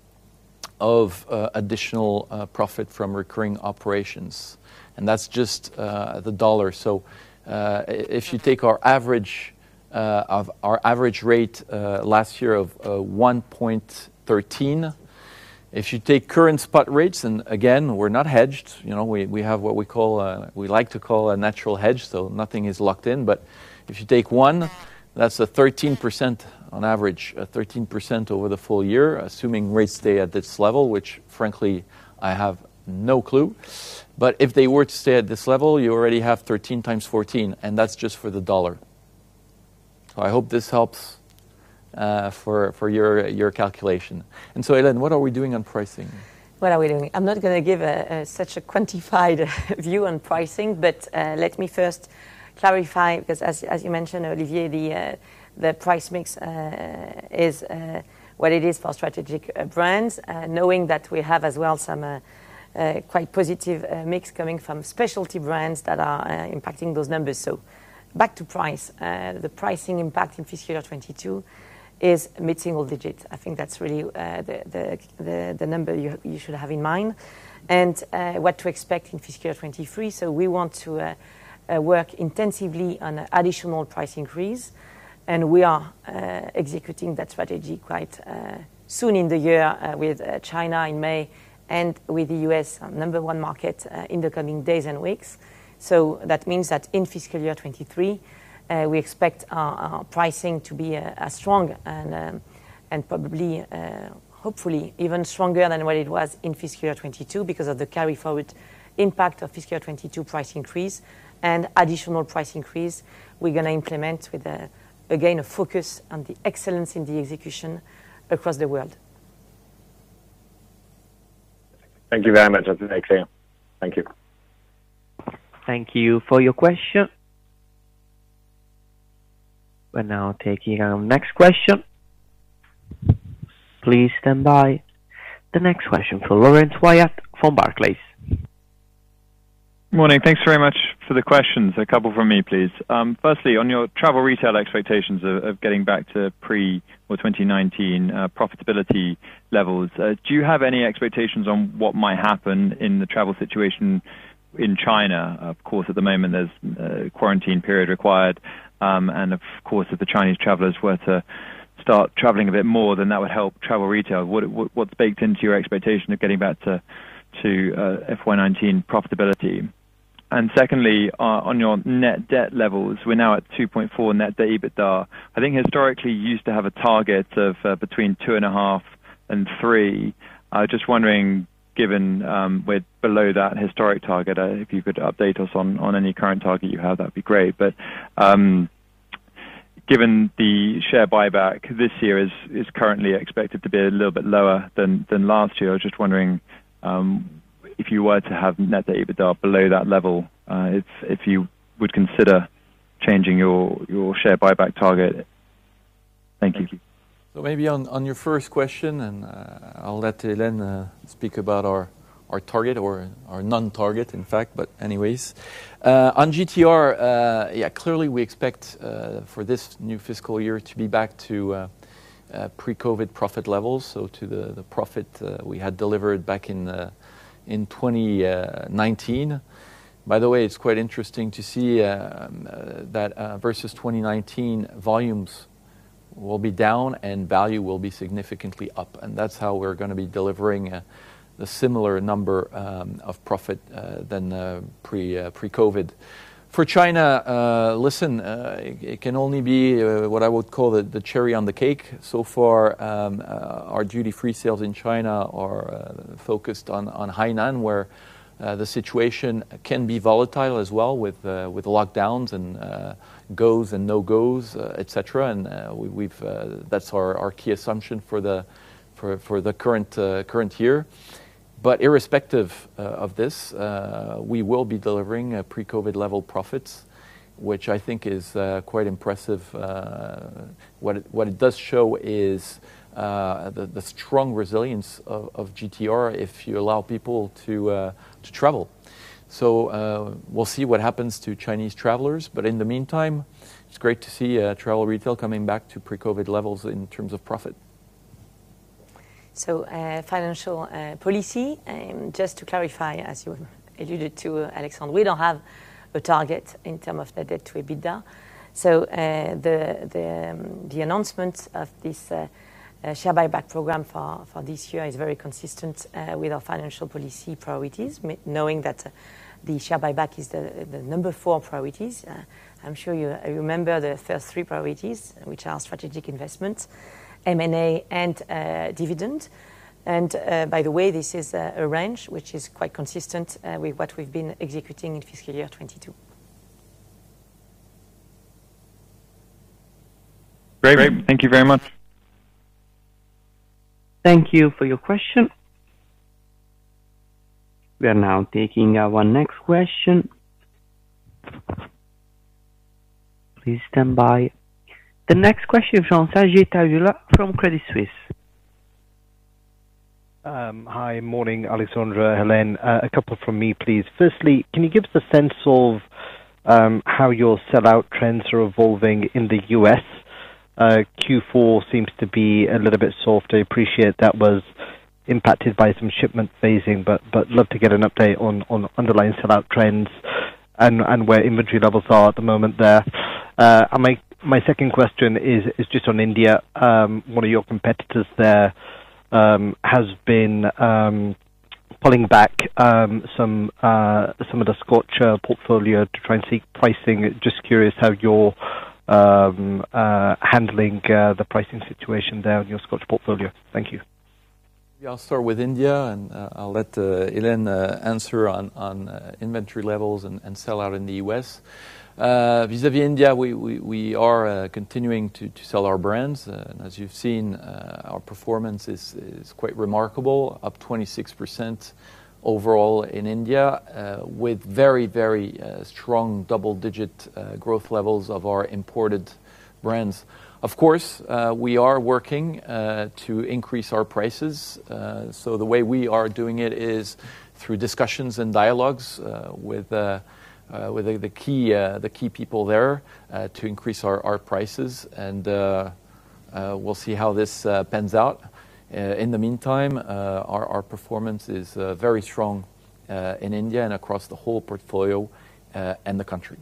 of additional profit from recurring operations. That's just the dollar. If you take our average rate last year of 1.13%. If you take current spot rates, and again, we're not hedged. You know, we have what we call a natural hedge, so nothing is locked in. If you take one, that's a 13% on average, a 13% over the full year, assuming rates stay at this level, which frankly, I have no clue. If they were to stay at this level, you already have 13x 14, and that's just for the U.S. dollar. I hope this helps for your calculation. Hélène, what are we doing on pricing? What are we doing? I'm not gonna give such a quantified view on pricing, but let me first clarify, 'cause as you mentioned, Olivier, the price mix is what it is for strategic brands, knowing that we have as well some quite positive mix coming from specialty brands that are impacting those numbers. Back to price. The pricing impact in fiscal year 2022 is mid-single-digit. I think that's really the number you should have in mind and what to expect in fiscal year 2023. We want to work intensively on additional price increase, and we are executing that strategy quite soon in the year, with China in May and with the U.S., our number one market, in the coming days and weeks. That means that in fiscal year 2023, we expect our pricing to be strong and probably, hopefully even stronger than what it was in fiscal year 2022 because of the carry forward impact of fiscal year 2022 price increase and additional price increase we're gonna implement with again a focus on the excellence in the execution across the world. Thank you very much. That's excellent. Thank you. Thank you for your question. We're now taking our next question. Please stand by. The next question from Laurence Whyatt from Barclays. Morning. Thanks very much for the questions. A couple from me, please. Firstly, on your travel retail expectations of getting back to pre- or 2019 profitability levels, do you have any expectations on what might happen in the travel situation in China? Of course, at the moment, there's a quarantine period required, and of course, if the Chinese travelers were to start traveling a bit more, then that would help travel retail. What's baked into your expectation of getting back to FY 2019 profitability? Secondly, on your net debt levels, we're now at 2.4 net debt EBITDA. I think historically, you used to have a target of between 2.5 and 3. I was just wondering, given we're below that historic target, if you could update us on any current target you have, that'd be great. Given the share buyback this year is currently expected to be a little bit lower than last year. I was just wondering if you were to have net debt EBITDA below that level, if you would consider changing your share buyback target. Thank you. Maybe on your first question, I'll let Hélène speak about our target or our non-target, in fact, but anyways. On GTR, yeah, clearly we expect for this new fiscal year to be back to pre-COVID profit levels, so to the profit we had delivered back in 2019. By the way, it's quite interesting to see that versus 2019 volumes will be down and value will be significantly up, and that's how we're gonna be delivering the similar number of profit than pre-COVID. For China, listen, it can only be what I would call the cherry on the cake. So far, our duty-free sales in China are focused on Hainan, where the situation can be volatile as well with lockdowns and go's and no-go's, et cetera. That's our key assumption for the current year. Irrespective of this, we will be delivering pre-COVID level profits, which I think is quite impressive. What it does show is the strong resilience of GTR if you allow people to travel. We'll see what happens to Chinese travelers, but in the meantime, it's great to see travel retail coming back to pre-COVID levels in terms of profit. Financial policy just to clarify, as you alluded to Alexandre, we don't have a target in terms of net debt to EBITDA. The announcement of this share buyback program for this year is very consistent with our financial policy priorities, knowing that the share buyback is the number four priorities. I'm sure you remember the first three priorities, which are strategic investment, M&A and dividend. By the way, this is a range which is quite consistent with what we've been executing in fiscal year 2022. Great. Thank you very much. Thank you for your question. We are now taking our next question. Please stand by. The next question from Sanjeet Aujla from Credit Suisse. Hi. Morning, Alexandre, Hélène. A couple from me, please. Firstly, can you give us a sense of how your sellout trends are evolving in the U.S.? Q4 seems to be a little bit soft. I appreciate that was impacted by some shipment phasing, but love to get an update on underlying sellout trends and where inventory levels are at the moment there. My second question is just on India. One of your competitors there has been pulling back some of the Scotch portfolio to try and seek pricing. Just curious how you're handling the pricing situation there on your Scotch portfolio. Thank you. Yeah. I'll start with India, and I'll let Hélène answer on inventory levels and sellout in the U.S. Vis-à-vis India, we are continuing to sell our brands. As you've seen, our performance is quite remarkable, up 26% overall in India, with very strong double-digit growth levels of our imported brands. Of course, we are working to increase our prices. So the way we are doing it is through discussions and dialogues with the key people there to increase our prices. We'll see how this pans out. In the meantime, our performance is very strong in India and across the whole portfolio and the country.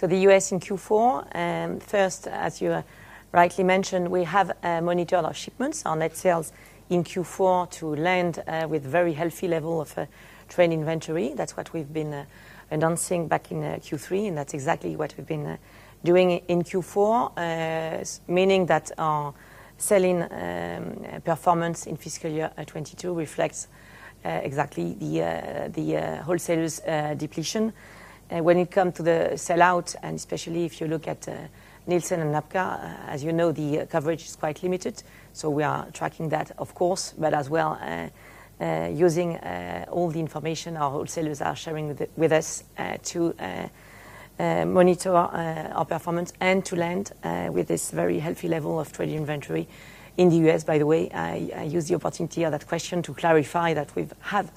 The U.S. in Q4, first, as you rightly mentioned, we have monitored our shipments, our net sales in Q4 to land with very healthy level of trade inventory. That's what we've been announcing back in Q3, and that's exactly what we've been doing in Q4. Meaning that our selling performance in fiscal year 2022 reflects exactly the wholesalers depletion. When it comes to the sell-out, and especially if you look at Nielsen and NABCA, as you know, the coverage is quite limited, so we are tracking that, of course, but as well using all the information our wholesalers are sharing with us to monitor our performance and to land with this very healthy level of trade inventory in the U.S. By the way, I use the opportunity of that question to clarify that we've had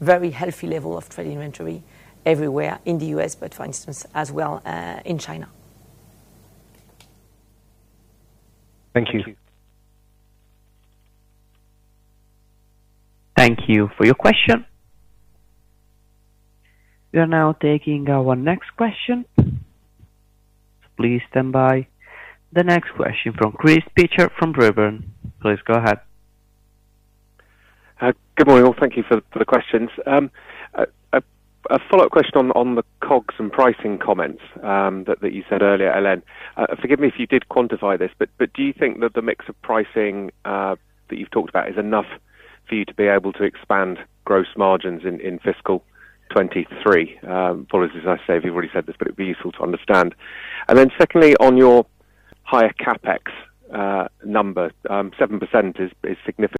very healthy level of trade inventory everywhere in the U.S., but for instance, as well, in China. Thank you. Thank you for your question. We are now taking our next question. Please stand by. The next question from Chris Pitcher from Redburn. Please go ahead. Good morning, all. Thank you for the questions. A follow-up question on the COGS and pricing comments that you said earlier, Hélène. Forgive me if you did quantify this, but do you think that the mix of pricing that you've talked about is enough? For you to be able to expand gross margins in fiscal 2023. As I say, if you've already said this, but it'd be useful to understand. Then secondly, on your higher CapEx number, 7% is significantly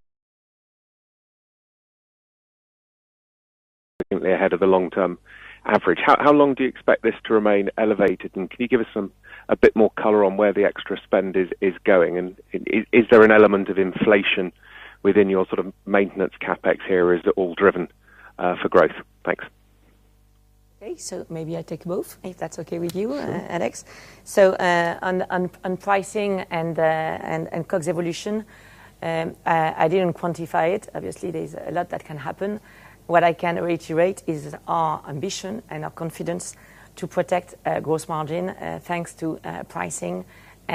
ahead of the long-term average. How long do you expect this to remain elevated? Can you give us a bit more color on where the extra spend is going? Is there an element of inflation within your sort of maintenance CapEx here? Is it all driven for growth? Thanks. Okay. Maybe I take both, if that's okay with you, Alex. On pricing and COGS evolution, I didn't quantify it. Obviously, there's a lot that can happen. What I can reiterate is our ambition and our confidence to protect gross margin thanks to pricing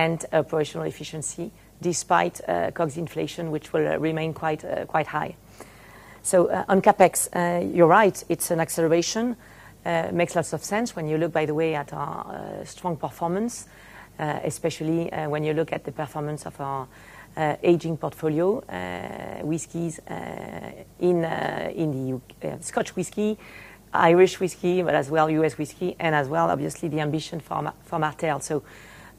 and operational efficiency despite COGS inflation, which will remain quite high. On CapEx, you're right, it's an acceleration. It makes lots of sense when you look, by the way, at our strong performance, especially when you look at the performance of our aging portfolio, whiskeys in the U.S. Scotch Whisky, Irish Whiskey, but as well U.S. whiskey, and as well, obviously, the ambition for Martell.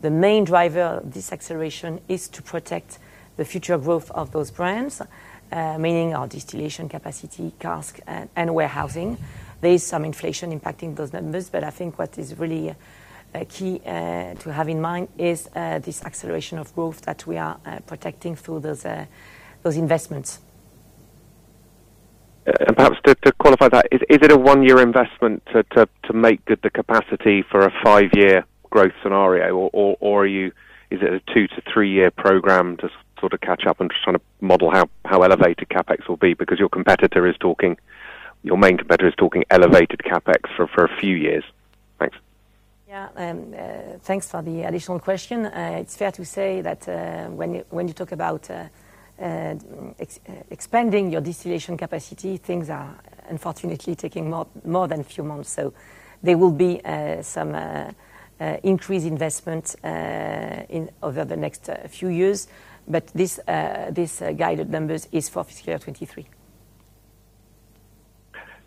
The main driver of this acceleration is to protect the future growth of those brands, meaning our distillation capacity, cask, and warehousing. There is some inflation impacting those numbers, but I think what is really key to have in mind is this acceleration of growth that we are protecting through those investments. Perhaps to qualify that, is it a one-year investment to make the capacity for a five-year growth scenario? Or is it a two-three-year program to sort of catch up and just trying to model how elevated CapEx will be? Because your main competitor is talking elevated CapEx for a few years. Thanks. Yeah. Thanks for the additional question. It's fair to say that when you talk about expanding your distillation capacity, things are unfortunately taking more than a few months. There will be some increased investment over the next few years. This guidance numbers is for fiscal 2023.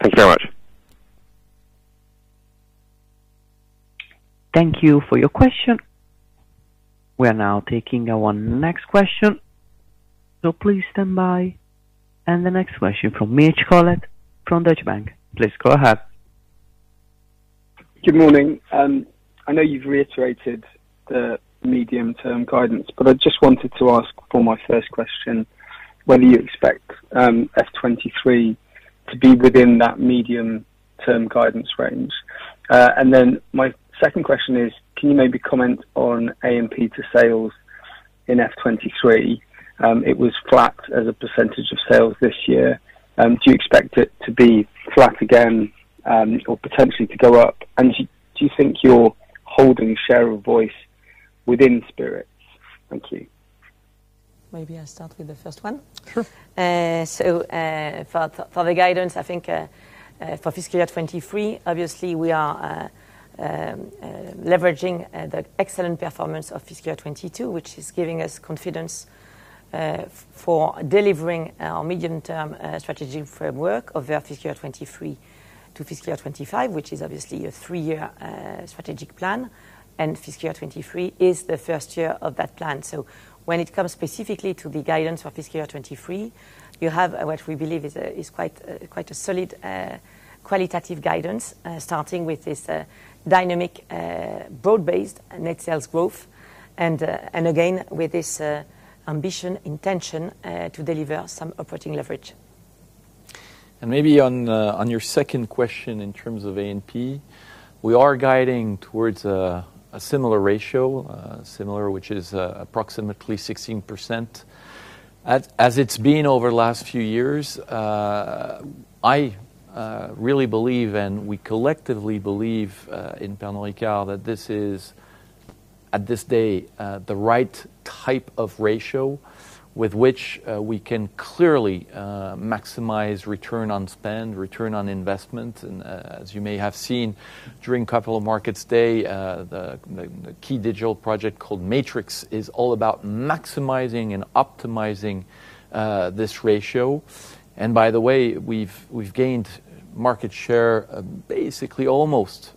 Thank you very much. Thank you for your question. We are now taking our next question. Please stand by. The next question from Mitch Collett from Deutsche Bank. Please go ahead. Good morning. I know you've reiterated the medium-term guidance, but I just wanted to ask for my first question, whether you expect FY 2023 to be within that medium-term guidance range. And then my second question is, can you maybe comment on A&P to sales in FY 2023? It was flat as a percentage of sales this year. Do you expect it to be flat again, or potentially to go up? Do you think you're holding share of voice within spirits? Thank you. Maybe I start with the first one. For the guidance, I think for fiscal year 2023, obviously we are leveraging the excellent performance of fiscal year 2022, which is giving us confidence for delivering our medium-term strategic framework over fiscal year 2023 to fiscal year 2025, which is obviously a three-year strategic plan. Fiscal year 2023 is the first year of that plan. When it comes specifically to the guidance for fiscal year 2023, you have what we believe is quite a solid qualitative guidance, starting with this dynamic broad-based net sales growth, and again, with this ambition, intention to deliver some operating leverage. Maybe on your second question in terms of A&P, we are guiding towards a similar ratio, which is approximately 16%. As it's been over the last few years, I really believe, and we collectively believe, in Pernod Ricard, that this is, at this day, the right type of ratio with which we can clearly maximize return on spend, return on investment. As you may have seen during Capital Markets Day, the key digital project called Matrix is all about maximizing and optimizing this ratio. By the way, we've gained market share basically almost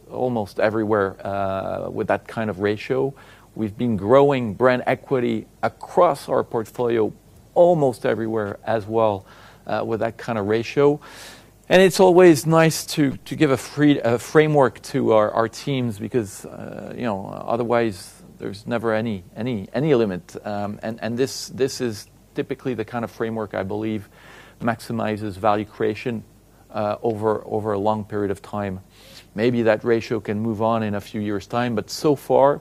everywhere with that kind of ratio. We've been growing brand equity across our portfolio almost everywhere as well with that kind of ratio. It's always nice to give a framework to our teams because, you know, otherwise there's never any limit. This is typically the kind of framework I believe maximizes value creation over a long period of time. Maybe that ratio can move on in a few years time, but so far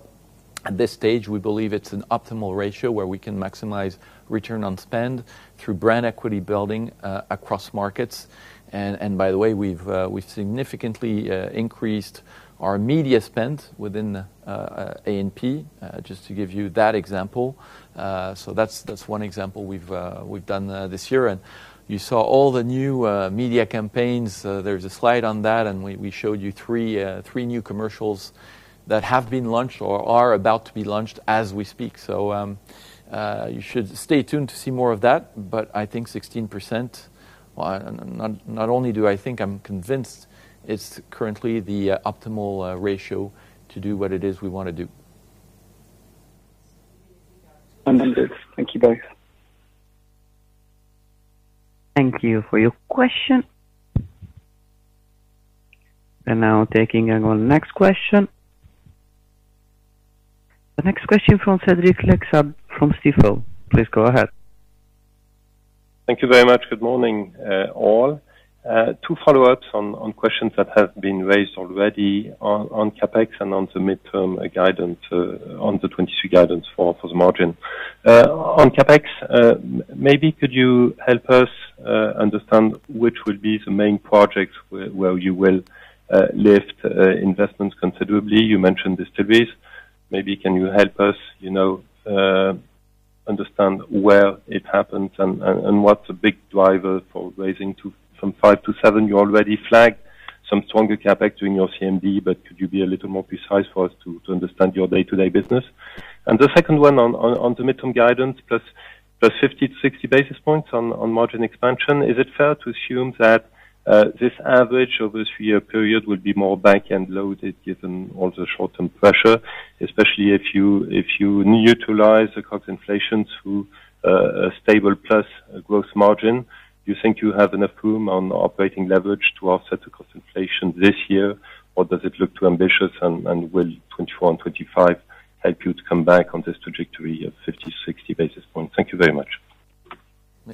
at this stage, we believe it's an optimal ratio where we can maximize return on spend through brand equity building across markets. By the way, we've significantly increased our media spend within A&P, just to give you that example. That's one example we've done this year. You saw all the new media campaigns. There's a slide on that, and we showed you three new commercials that have been launched or are about to be launched as we speak. You should stay tuned to see more of that, but I think 16%, well, not only do I think, I'm convinced it's currently the optimal ratio to do what it is we wanna do. Understood. Thank you both. Thank you for your question. We're now taking our next question. The next question from Cédric Lecasble from Stifel. Please go ahead. Thank you very much. Good morning, all. Two follow-ups on questions that have been raised already on CapEx and on the midterm guidance, on the 2023 guidance for the margin. On CapEx, maybe could you help us understand which will be the main projects where you will lift investments considerably? You mentioned distilleries. Maybe can you help us, you know, understand where it happens and what's a big driver for raising from 5%-7%? You already flagged some stronger CapEx during your CMD, but could you be a little more precise for us to understand your day-to-day business? The second one on the midterm guidance plus 50-60 basis points on margin expansion. Is it fair to assume that this average over a three-year period would be more back-end loaded given all the short-term pressure, especially if you neutralize the cost inflation through a stable plus growth margin? Do you think you have enough room on operating leverage to offset the cost inflation this year, or does it look too ambitious, and will 2024 and 2025 help you to come back on this trajectory of 50, 60 basis points? Thank you very much.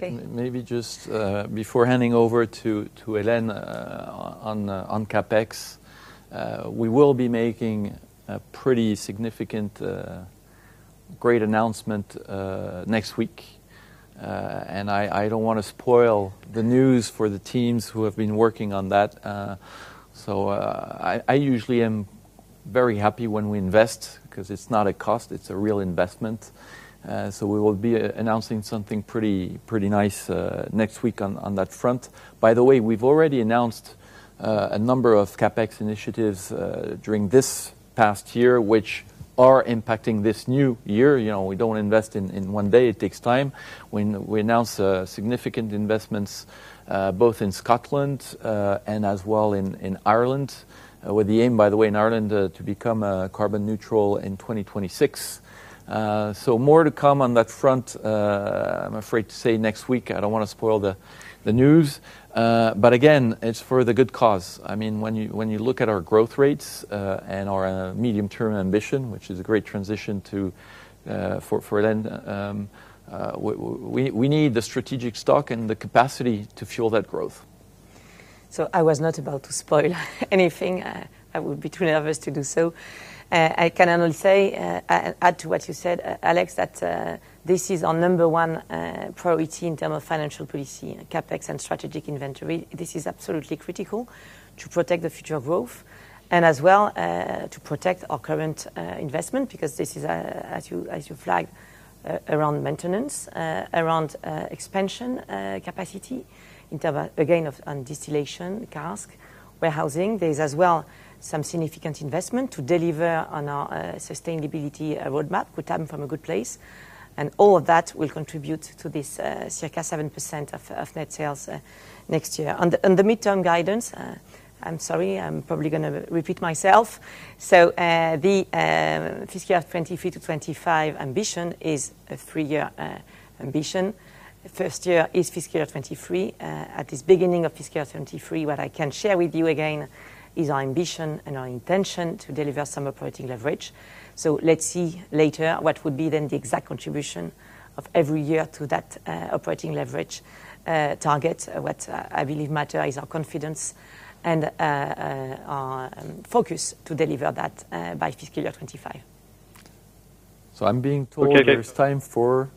Maybe just before handing over to Hélène on CapEx, we will be making a pretty significant great announcement next week. I don't wanna spoil the news for the teams who have been working on that. I usually am very happy when we invest because it's not a cost, it's a real investment. We will be announcing something pretty nice next week on that front. By the way, we've already announced a number of CapEx initiatives during this past year, which are impacting this new year. You know, we don't invest in one day. It takes time. We announced significant investments both in Scotland and as well in Ireland with the aim, by the way, in Ireland, to become carbon neutral in 2026. More to come on that front. I'm afraid to say next week. I don't wanna spoil the news. Again, it's for the good cause. I mean, when you look at our growth rates and our medium-term ambition, which is a great transition to for then, we need the strategic stock and the capacity to fuel that growth. I was not about to spoil anything. I would be too nervous to do so. I can only say, add to what you said, Alex, that this is our number one priority in terms of financial policy, CapEx and strategic inventory. This is absolutely critical to protect the future growth and as well to protect our current investment because this is, as you flagged, around maintenance, around expansion, capacity in terms of, again, on distillation, cask, warehousing. There's as well some significant investment to deliver on our sustainability roadmap, which come from a good place. All of that will contribute to this, circa 7% of net sales next year. On the medium-term guidance, I'm sorry, I'm probably gonna repeat myself. The fiscal year 2023- 2025 ambition is a three-year ambition. First year is fiscal year 2023. At this beginning of fiscal year 2023, what I can share with you again is our ambition and our intention to deliver some operating leverage. Let's see later what would be then the exact contribution of every year to that operating leverage target. What I believe matter is our confidence and our focus to deliver that by fiscal year 2025. I'm being told- Okay, thanks. There's time for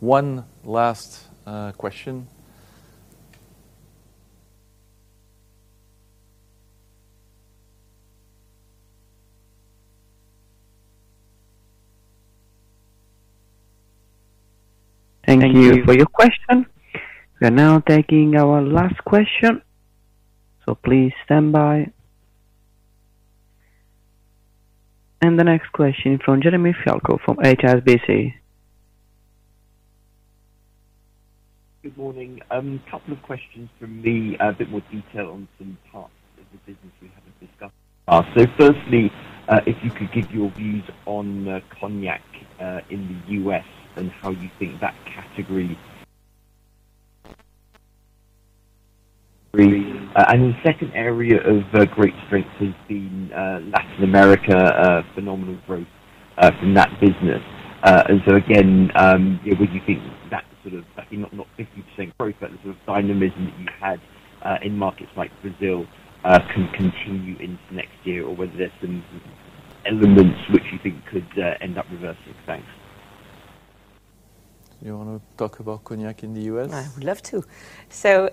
one last question. Thank you for your question. We're now taking our last question, so please stand by. The next question from Jeremy Fialko from HSBC. Good morning. Couple of questions from me, a bit more detail on some parts of the business we haven't discussed. Firstly, if you could give your views on Cognac in the U.S. and how you think that category. The second area of great strength has been Latin America, phenomenal growth from that business. Again, would you think that sort of, maybe not 50% growth, but the sort of dynamism that you had in markets like Brazil, can continue into next year or whether there's some elements which you think could end up reversing? Thanks. You wanna talk about Cognac in the U.S.? I would love to.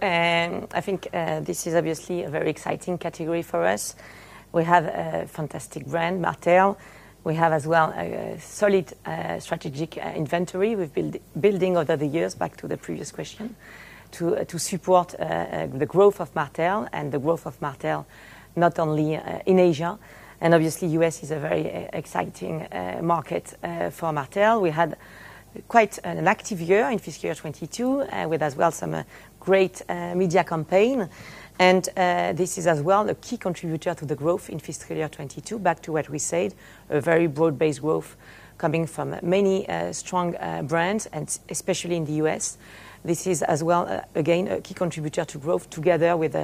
I think this is obviously a very exciting category for us. We have a fantastic brand, Martell. We have as well a solid strategic inventory we've been building over the years back to the previous question, to support the growth of Martell not only in Asia. Obviously, U.S. is a very exciting market for Martell. We had quite an active year in fiscal year 2022 with as well some great media campaign. This is as well a key contributor to the growth in fiscal year 2022. Back to what we said, a very broad-based growth coming from many strong brands and especially in the U.S. This is as well a key contributor to growth together with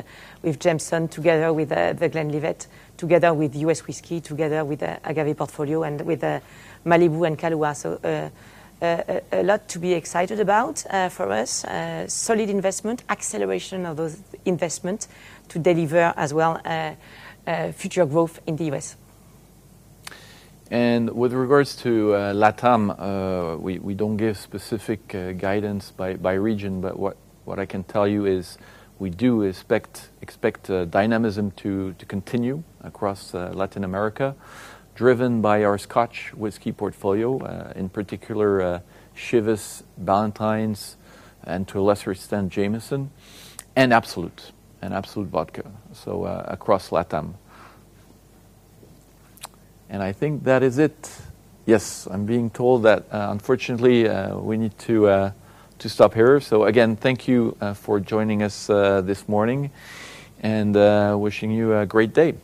Jameson, together with The Glenlivet, together with U.S. Whiskey, together with the Agave portfolio and with Malibu and Kahlúa. A lot to be excited about for us. Solid investment, acceleration of those investment to deliver as well future growth in the U.S. With regards to LATAM, we don't give specific guidance by region, but what I can tell you is we do expect dynamism to continue across Latin America, driven by our Scotch whisky portfolio, in particular, Chivas, Ballantine's, and to a lesser extent, Jameson, and Absolut, and Absolut Vodka, so across LATAM. I think that is it. Yes, I'm being told that, unfortunately, we need to stop here. Again, thank you for joining us this morning and wishing you a great day.